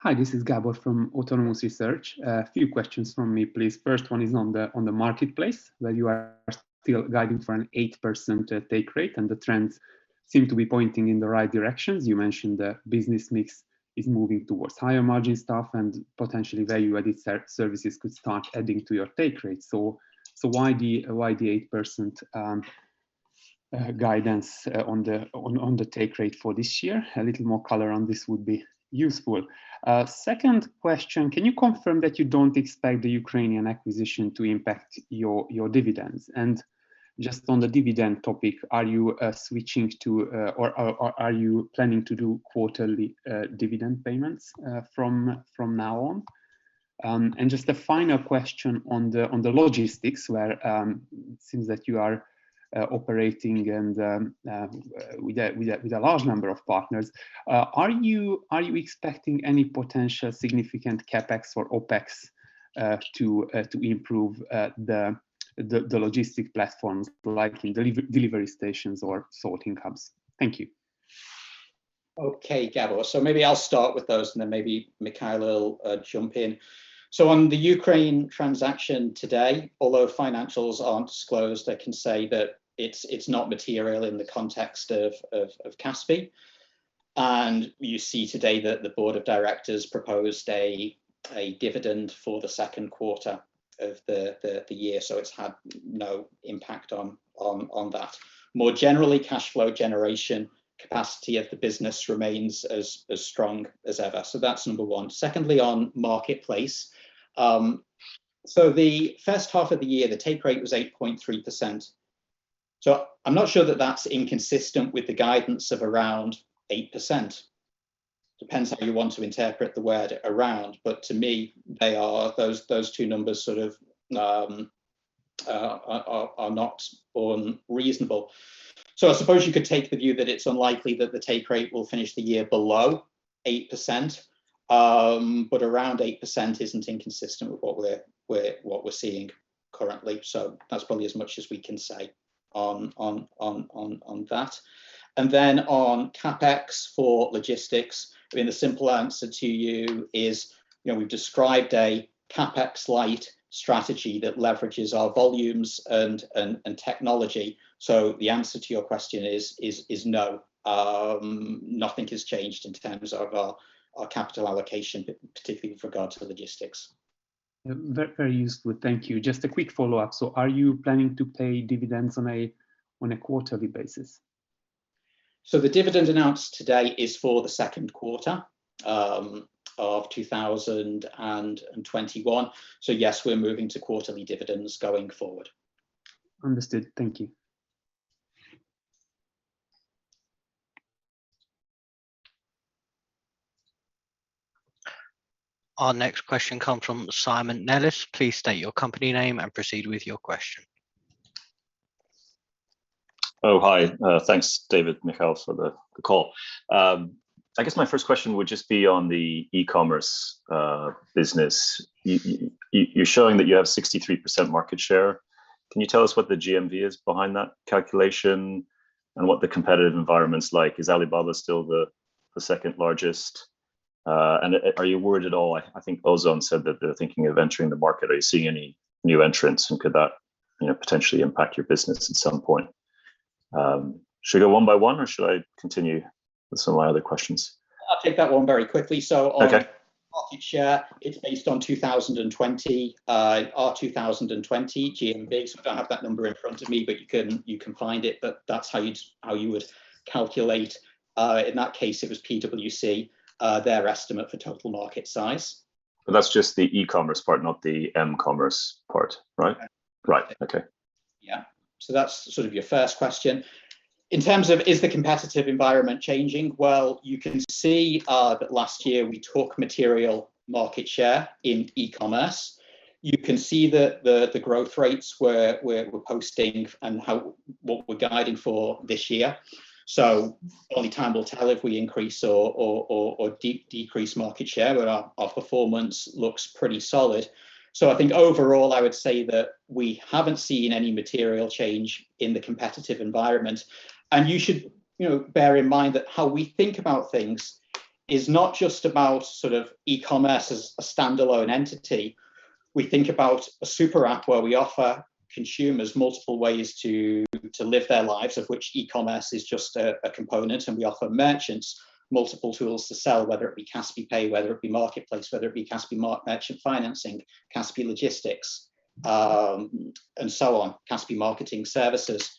Hi, this is Gabor from Autonomous Research. A few questions from me, please. First one is on the marketplace, where you are still guiding for an 8% take rate and the trends seem to be pointing in the right directions. You mentioned the business mix is moving towards higher margin stuff and potentially value-added services could start adding to your take rate. Why the 8% guidance on the take rate for this year? A little more color on this would be useful. Second question, can you confirm that you don't expect the Ukrainian acquisition to impact your dividends? Just on the dividend topic, are you switching to or are you planning to do quarterly dividend payments from now on? Just a final question on the logistics where it seems that you are operating and with a large number of partners. Are you expecting any potential significant CapEx or OpEx to improve the logistic platforms, like delivery stations or sorting hubs? Thank you. Okay, Gabor. Maybe I'll start with those and then maybe Mikhail will jump in. On the Ukraine transaction today, although financials aren't disclosed, I can say that it's not material in the context of Kaspi. You see today that the board of directors proposed a dividend for the second quarter of the year. It's had no impact on that. More generally, cash flow generation capacity of the business remains as strong as ever. That's number 1. Secondly, on marketplace. The first half of the year, the take rate was 8.3%. I'm not sure that's inconsistent with the guidance of around 8%. Depends how you want to interpret the word around, but to me, those two numbers are not unreasonable. I suppose you could take the view that it's unlikely that the take rate will finish the year below 8%, but around 8% isn't inconsistent with what we're seeing currently. That's probably as much as we can say on that. On CapEx for logistics, the simple answer to you is we've described a CapEx-light strategy that leverages our volumes and technology. The answer to your question is no. Nothing has changed in terms of our capital allocation, particularly with regard to logistics. Very useful. Thank you. Just a quick follow-up. Are you planning to pay dividends on a quarterly basis? The dividend announced today is for the second quarter of 2021. Yes, we are moving to quarterly dividends going forward. Understood. Thank you. Our next question comes from Simon Nellis. Please state your company name and proceed with your question. Hi. Thanks, David, Mikhail, for the call. I guess my first question would just be on the e-commerce business. You're showing that you have 63% market share. Can you tell us what the GMV is behind that calculation and what the competitive environment's like? Is Alibaba still the second largest? Are you worried at all, I think Ozon said that they're thinking of entering the market. Are you seeing any new entrants, and could that potentially impact your business at some point? Should we go one by one, or should I continue with some of my other questions? I'll take that one very quickly. Okay. On market share, it's based on our 2020 GMV. I don't have that number in front of me, but you can find it, but that's how you would calculate. In that case, it was PwC, their estimate for total market size. That's just the e-commerce part, not the m-commerce part, right? Yeah. Right. Okay. Yeah. That's sort of your first question. In terms of is the competitive environment changing? You can see that last year we took material market share in e-commerce. You can see the growth rates we're posting and what we're guiding for this year. Only time will tell if we increase or decrease market share, but our performance looks pretty solid. I think overall, I would say that we haven't seen any material change in the competitive environment. You should bear in mind that how we think about things is not just about e-commerce as a standalone entity. We think about a super app where we offer consumers multiple ways to live their lives, of which e-commerce is just a component, and we offer merchants multiple tools to sell, whether it be Kaspi Pay, whether it be Marketplace, whether it be Kaspi Merchant Financing, Kaspi Logistics, and so on, Kaspi Marketing Services.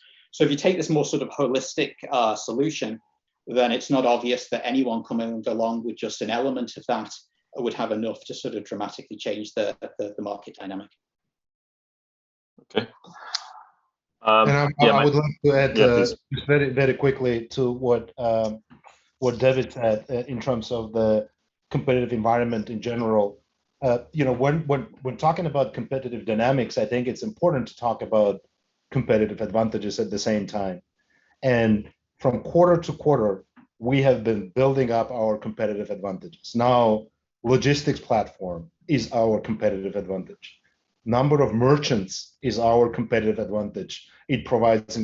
If you take this more sort of holistic solution, then it is not obvious that anyone coming along with just an element of that would have enough to dramatically change the market dynamic. Okay. Yeah. I would like to add. Yeah, please Just very quickly to what David said in terms of the competitive environment in general. When talking about competitive dynamics, I think it's important to talk about competitive advantages at the same time. From quarter-to-quarter, we have been building up our competitive advantages. Now Kaspi Logistics is our competitive advantage. Number of merchants is our competitive advantage. It provides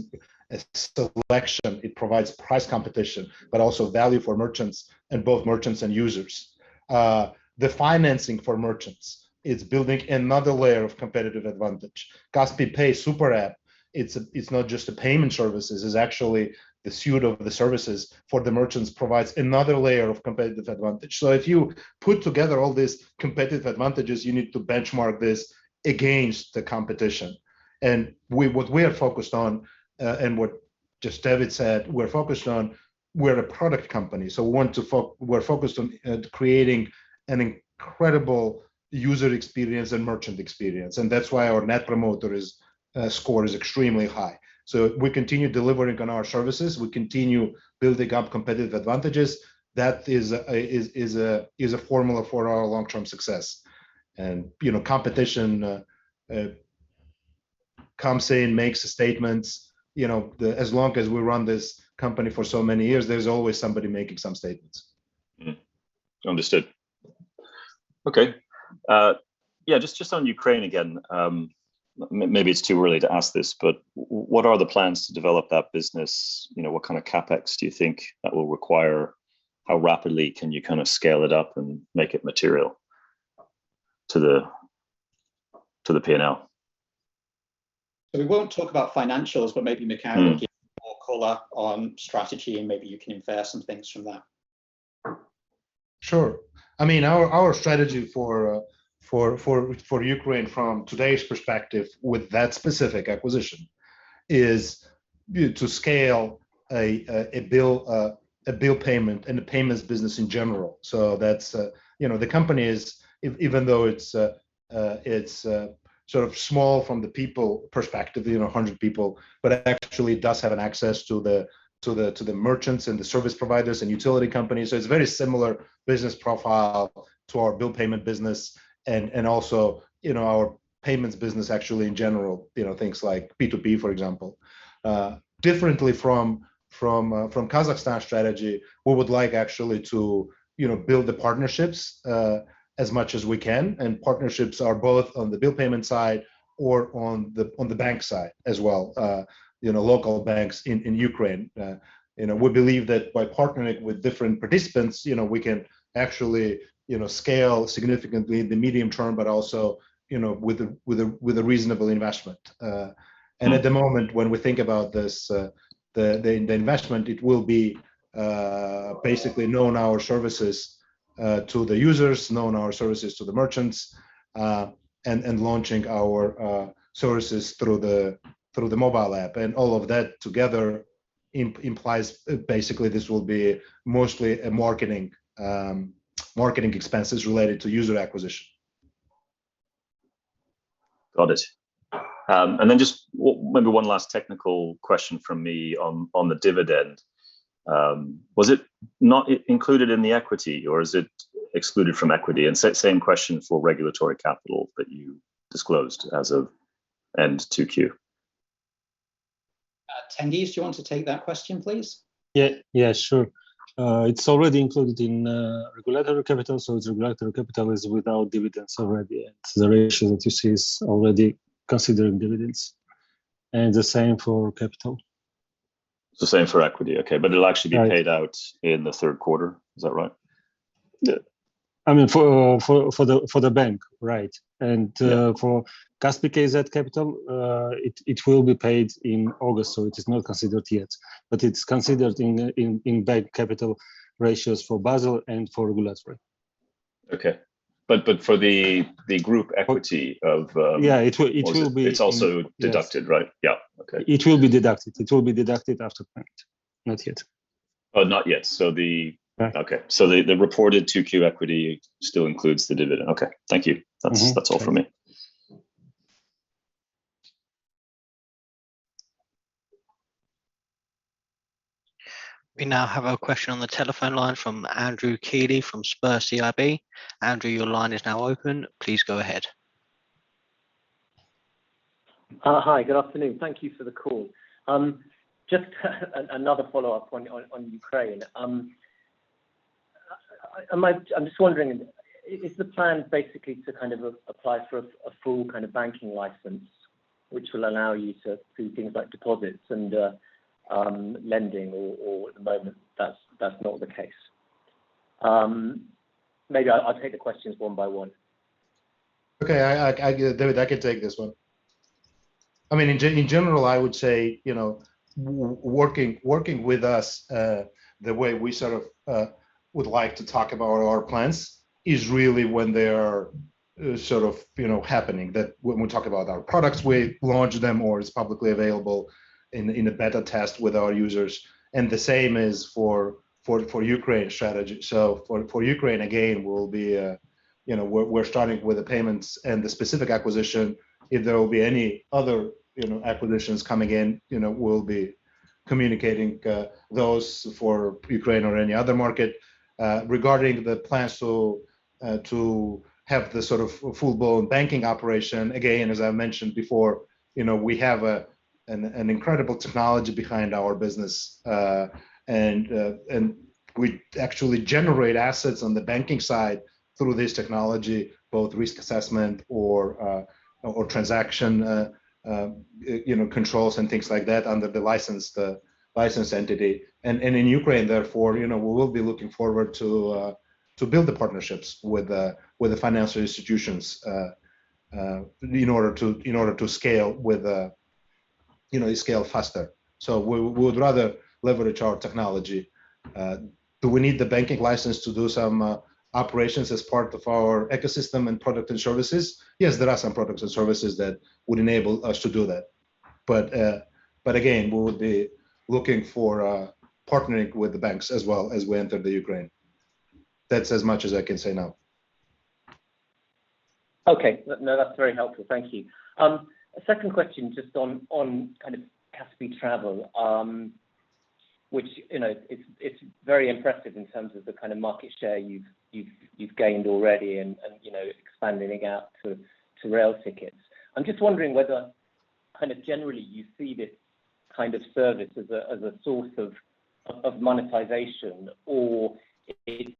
a selection, it provides price competition, but also value for merchants and both merchants and users. The financing for merchants is building another layer of competitive advantage. Kaspi Pay Super App, it's not just payment services, it's actually the suite of the services for the merchants provides another layer of competitive advantage. If you put together all these competitive advantages, you need to benchmark this against the competition. What we're focused on, and what just David said we're focused on, we're a product company. We're focused on creating an incredible user experience and merchant experience, and that's why our Net Promoter Score is extremely high. We continue delivering on our services. We continue building up competitive advantages. That is a formula for our long-term success. Competition comes in, makes statements. As long as we run this company for so many years, there's always somebody making some statements. Understood. Okay. Yeah, just on Ukraine again. Maybe it's too early to ask this, but what are the plans to develop that business? What kind of CapEx do you think that will require? How rapidly can you scale it up and make it material to the P&L? We won't talk about financials, but maybe Mikhail can give more color on strategy, and maybe you can infer some things from that. Sure. Our strategy for Ukraine from today's perspective with that specific acquisition is to scale a bill payment and a payments business in general. The company is, even though it's sort of small from the people perspective, 100 people, but actually does have an access to the merchants and the service providers and utility companies. It's very similar business profile to our bill payment business and also our payments business actually in general, things like B2B, for example. Differently from Kazakhstan strategy, we would like actually to build the partnerships as much as we can, and partnerships are both on the bill payment side or on the bank side as well, local banks in Ukraine. We believe that by partnering with different participants, we can actually scale significantly in the medium term, but also with a reasonable investment. At the moment, when we think about the investment, it will be basically known our services to the users, known our services to the merchants, and launching our services through the mobile app. All of that together implies basically this will be mostly marketing expenses related to user acquisition. Got it. Just maybe one last technical question from me on the dividend. Was it not included in the equity, or is it excluded from equity? Same question for regulatory capital that you disclosed as of end Q2. Tengiz, do you want to take that question, please? Sure. It's already included in regulatory capital, so its regulatory capital is without dividends already, and the ratio that you see is already considering dividends, and the same for capital. It's the same for equity, okay. It'll actually be paid out in the third quarter, is that right? Yeah. For the bank, right. Yeah. For Kaspi.kz capital, it will be paid in August, so it is not considered yet. It's considered in bank capital ratios for Basel and for regulatory. Okay. For the group equity of. Yeah it's also deducted, right? Yeah. Okay. It will be deducted. It will be deducted after payment. Not yet. Oh, not yet. No. Okay. The reported 2Q equity still includes the dividend. Okay. Thank you. That's all from me. We now have a question on the telephone line from Andrew Keeley from Sberbank CIB. Andrew, your line is now open. Please go ahead. Hi. Good afternoon. Thank you for the call. Just another follow-up on Ukraine. I'm just wondering, is the plan basically to apply for a full banking license, which will allow you to do things like deposits and lending or at the moment, that's not the case? Maybe I'll take the questions one by one. David, I can take this one. In general, I would say working with us the way we would like to talk about our plans is really when they are happening. When we talk about our products, we launch them, or it's publicly available in a beta test with our users, the same is for Ukraine strategy. For Ukraine, again, we're starting with the payments and the specific acquisition. If there will be any other acquisitions coming in, we'll be communicating those for Ukraine or any other market. Regarding the plans to have the full-blown banking operation, again, as I mentioned before, we have an incredible technology behind our business. We actually generate assets on the banking side through this technology, both risk assessment or transaction controls and things like that under the licensed entity. In Ukraine, therefore, we will be looking forward to build the partnerships with the financial institutions in order to scale faster. We would rather leverage our technology. Do we need the banking license to do some operations as part of our ecosystem and product and services? Yes, there are some products and services that would enable us to do that. Again, we would be looking for partnering with the banks as well as we enter the Ukraine. That's as much as I can say now. Okay. No, that's very helpful. Thank you. A second question just on Kaspi Travel, which it's very impressive in terms of the kind of market share you've gained already and expanding out to rail tickets. I'm just wondering whether generally you see this kind of service as a source of monetization, or it's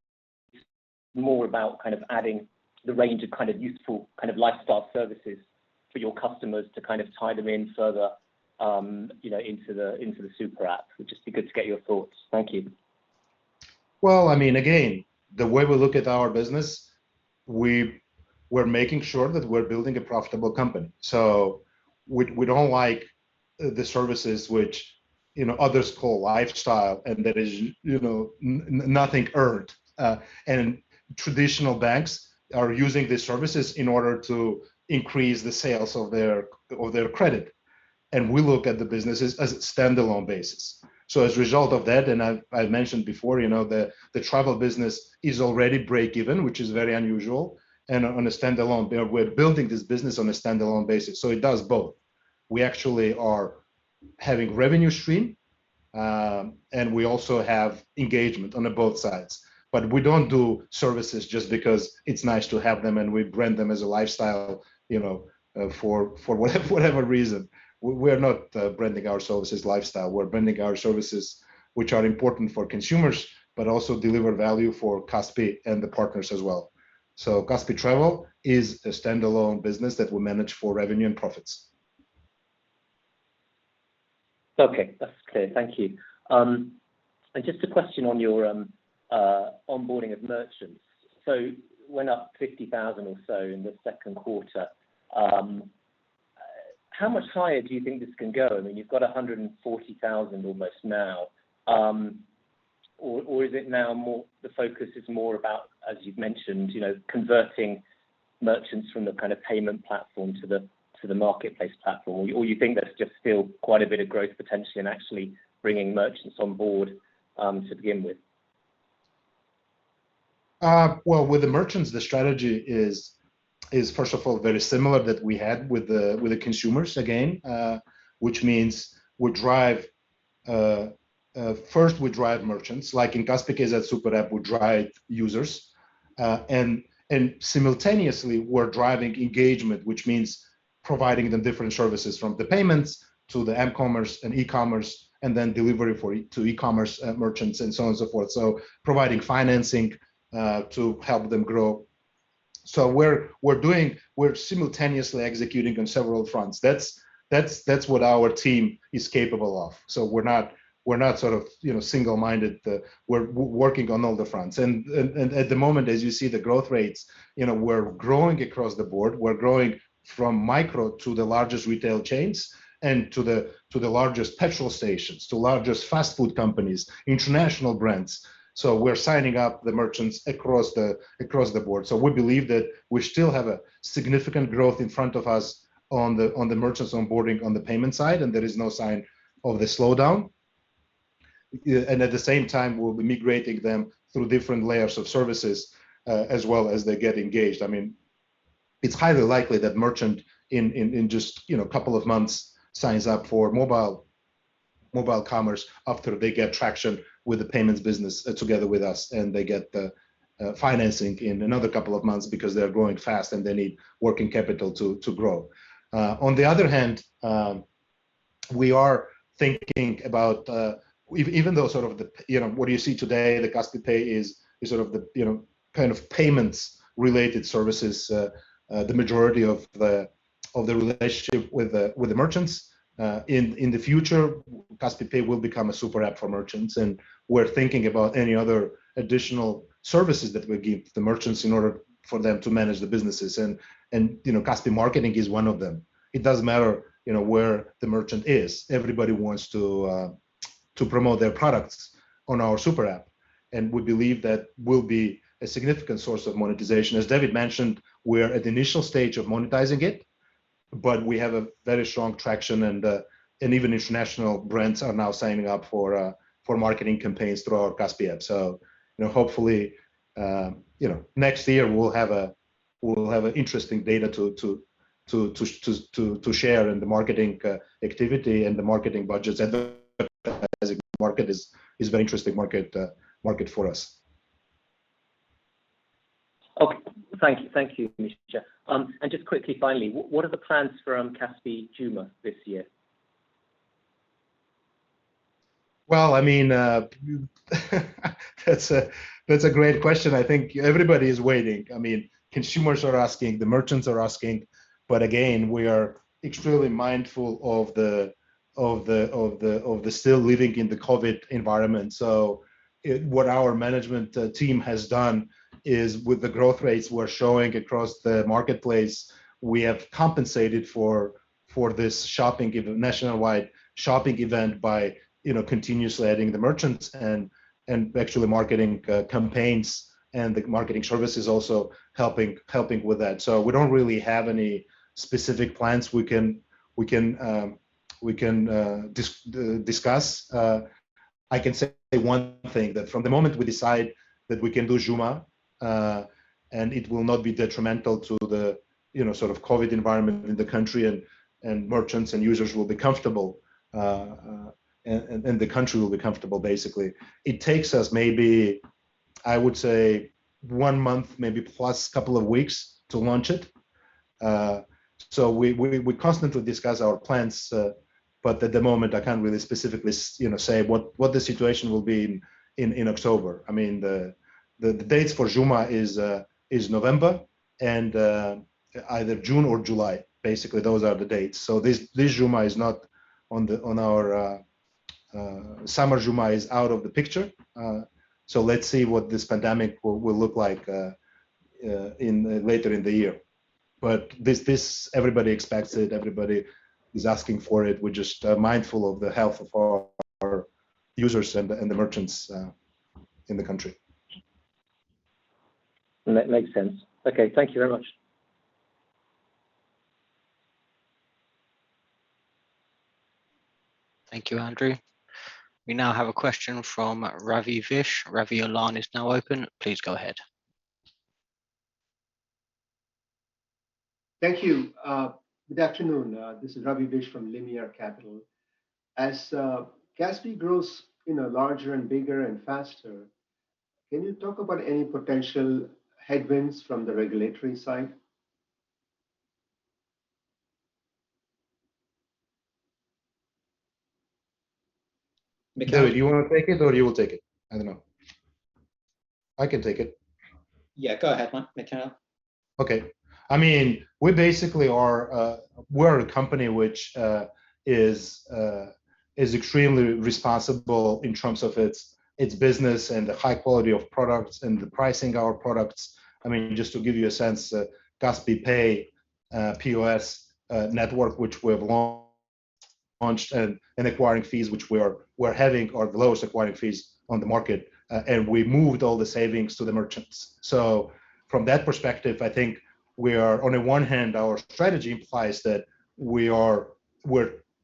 more about adding the range of useful lifestyle services for your customers to tie them in further into the super app? Would just be good to get your thoughts. Thank you. Well, again, the way we look at our business, we're making sure that we're building a profitable company. We don't like the services which others call lifestyle and there is nothing earned. Traditional banks are using these services in order to increase the sales of their credit. We look at the businesses as a standalone basis. As a result of that, and I've mentioned before, the travel business is already break-even, which is very unusual. On a standalone basis. We're building this business on a standalone basis, so it does both. We actually are having revenue stream, and we also have engagement on both sides. We don't do services just because it's nice to have them, and we brand them as a lifestyle for whatever reason. We are not branding our services lifestyle. We're branding our services which are important for consumers, but also deliver value for Kaspi and the partners as well. Kaspi Travel is a standalone business that we manage for revenue and profits. Okay. That's clear. Thank you. Just a question on your onboarding of merchants. Went up 50,000 or so in the second quarter. How much higher do you think this can go? You've got 140,000 almost now. Is it now the focus is more about, as you've mentioned, converting merchants from the payment platform to the marketplace platform? You think there's just still quite a bit of growth potential in actually bringing merchants on board to begin with? Well, with the merchants, the strategy is first of all very similar that we had with the consumers again. Which means first we drive merchants, like in Kaspi.kz super app will drive users. Simultaneously, we're driving engagement, which means providing them different services from the payments to the m-commerce and e-commerce, and then delivery to e-commerce merchants and so on, so forth. Providing financing to help them grow. We're simultaneously executing on several fronts. That's what our team is capable of. We're not single-minded. We're working on all the fronts. At the moment, as you see the growth rates, we're growing across the board. We're growing from micro to the largest retail chains and to the largest petrol stations, to largest fast food companies, international brands. We're signing up the merchants across the board. We believe that we still have a significant growth in front of us on the merchants onboarding on the payment side, and there is no sign of the slowdown. At the same time, we'll be migrating them through different layers of services as well as they get engaged. It's highly likely that merchant in just a couple of months signs up for mobile commerce after they get traction with the payments business together with us, and they get the financing in another couple of months because they're growing fast and they need working capital to grow. The other hand, we are thinking about even though what you see today, the Kaspi Pay is sort of the kind of payments related services, the majority of the relationship with the merchants. In the future, Kaspi Pay will become a super app for merchants, and we're thinking about any other additional services that we give the merchants in order for them to manage the businesses. Kaspi Marketing is one of them. It doesn't matter where the merchant is. Everybody wants to promote their products on our super app. We believe that will be a significant source of monetization. As David mentioned, we're at the initial stage of monetizing it, but we have a very strong traction and even international brands are now signing up for marketing campaigns through our Kaspi app. Hopefully next year we'll have interesting data to share in the marketing activity and the marketing budgets. The market is a very interesting market for us. Okay. Thank you, Mikhail. Just quickly, finally, what are the plans for Kaspi Juma this year? Well, that's a great question. I think everybody is waiting. Consumers are asking, the merchants are asking. Again, we are extremely mindful of the still living in the COVID environment. What our management team has done is with the growth rates we're showing across the marketplace, we have compensated for this nationwide shopping event by continuously adding the merchants and actually marketing campaigns and the marketing services also helping with that. We don't really have any specific plans we can discuss. I can say one thing, that from the moment we decide that we can do Juma, and it will not be detrimental to the COVID environment in the country, and merchants and users will be comfortable, and the country will be comfortable, basically. It takes us maybe, I would say, one month, maybe plus couple of weeks to launch it. We constantly discuss our plans, but at the moment, I can't really specifically say what the situation will be in October. The dates for Juma is November and either June or July. Those are the dates. Summer Juma is out of the picture. Let's see what this pandemic will look like later in the year. This, everybody expects it. Everybody is asking for it. We're just mindful of the health of our users and the merchants in the country. That makes sense. Okay. Thank you very much. Thank you, Andrew. We now have a question from Ravi Vish. Ravi, your line is now open. Please go ahead. Thank you. Good afternoon. This is Ravi Vish from Limiar Capital. As Kaspi grows larger and bigger and faster, can you talk about any potential headwinds from the regulatory side? Mikhail- David, you want to take it or you will take it? I don't know. I can take it. Yeah, go ahead, Mikhail. We basically are a company which is extremely responsible in terms of its business and the high quality of products and the pricing our products. Just to give you a sense, Kaspi Pay POS network, which we have launched, and acquiring fees which we're having are the lowest acquiring fees on the market. We moved all the savings to the merchants. From that perspective, I think we are on one hand, our strategy implies that we're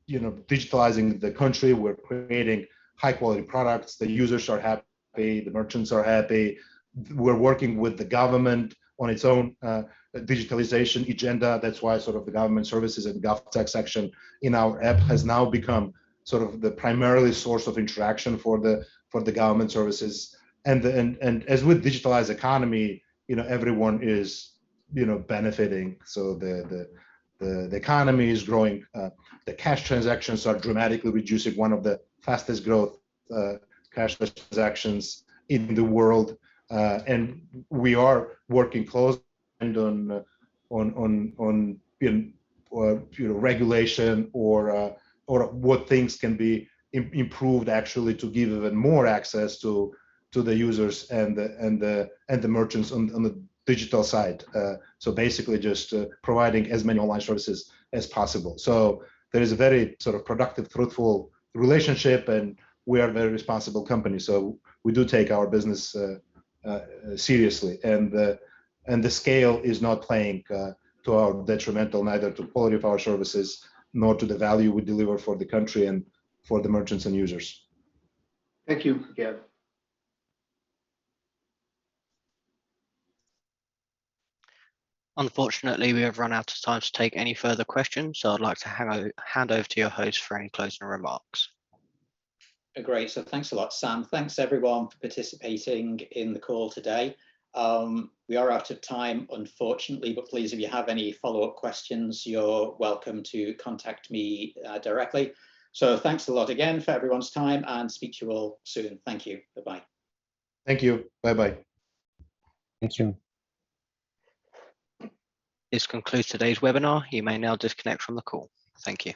digitalizing the country, we're creating high-quality products. The users are happy. The merchants are happy. We're working with the government on its own digitalization agenda. That's why the government services and GovTech section in our app has now become the primary source of interaction for the government services. As with digitalized economy, everyone is benefiting. The economy is growing. The cash transactions are dramatically reducing one of the fastest growth cash transactions in the world. We are working closely on regulation or what things can be improved actually to give even more access to the users and the merchants on the digital side. Basically just providing as many online services as possible. There is a very productive, fruitful relationship, and we are a very responsible company. We do take our business seriously. The scale is not playing to our detriment, neither to quality of our services nor to the value we deliver for the country and for the merchants and users. Thank you. Unfortunately, we have run out of time to take any further questions. I'd like to hand over to your host for any closing remarks. Thanks a lot, Sam. Thanks, everyone, for participating in the call today. We are out of time, unfortunately, but please, if you have any follow-up questions, you're welcome to contact me directly. Thanks a lot again for everyone's time, and speak to you all soon. Thank you. Bye-bye. Thank you. Bye-bye. Thank you. This concludes today's webinar. You may now disconnect from the call. Thank you.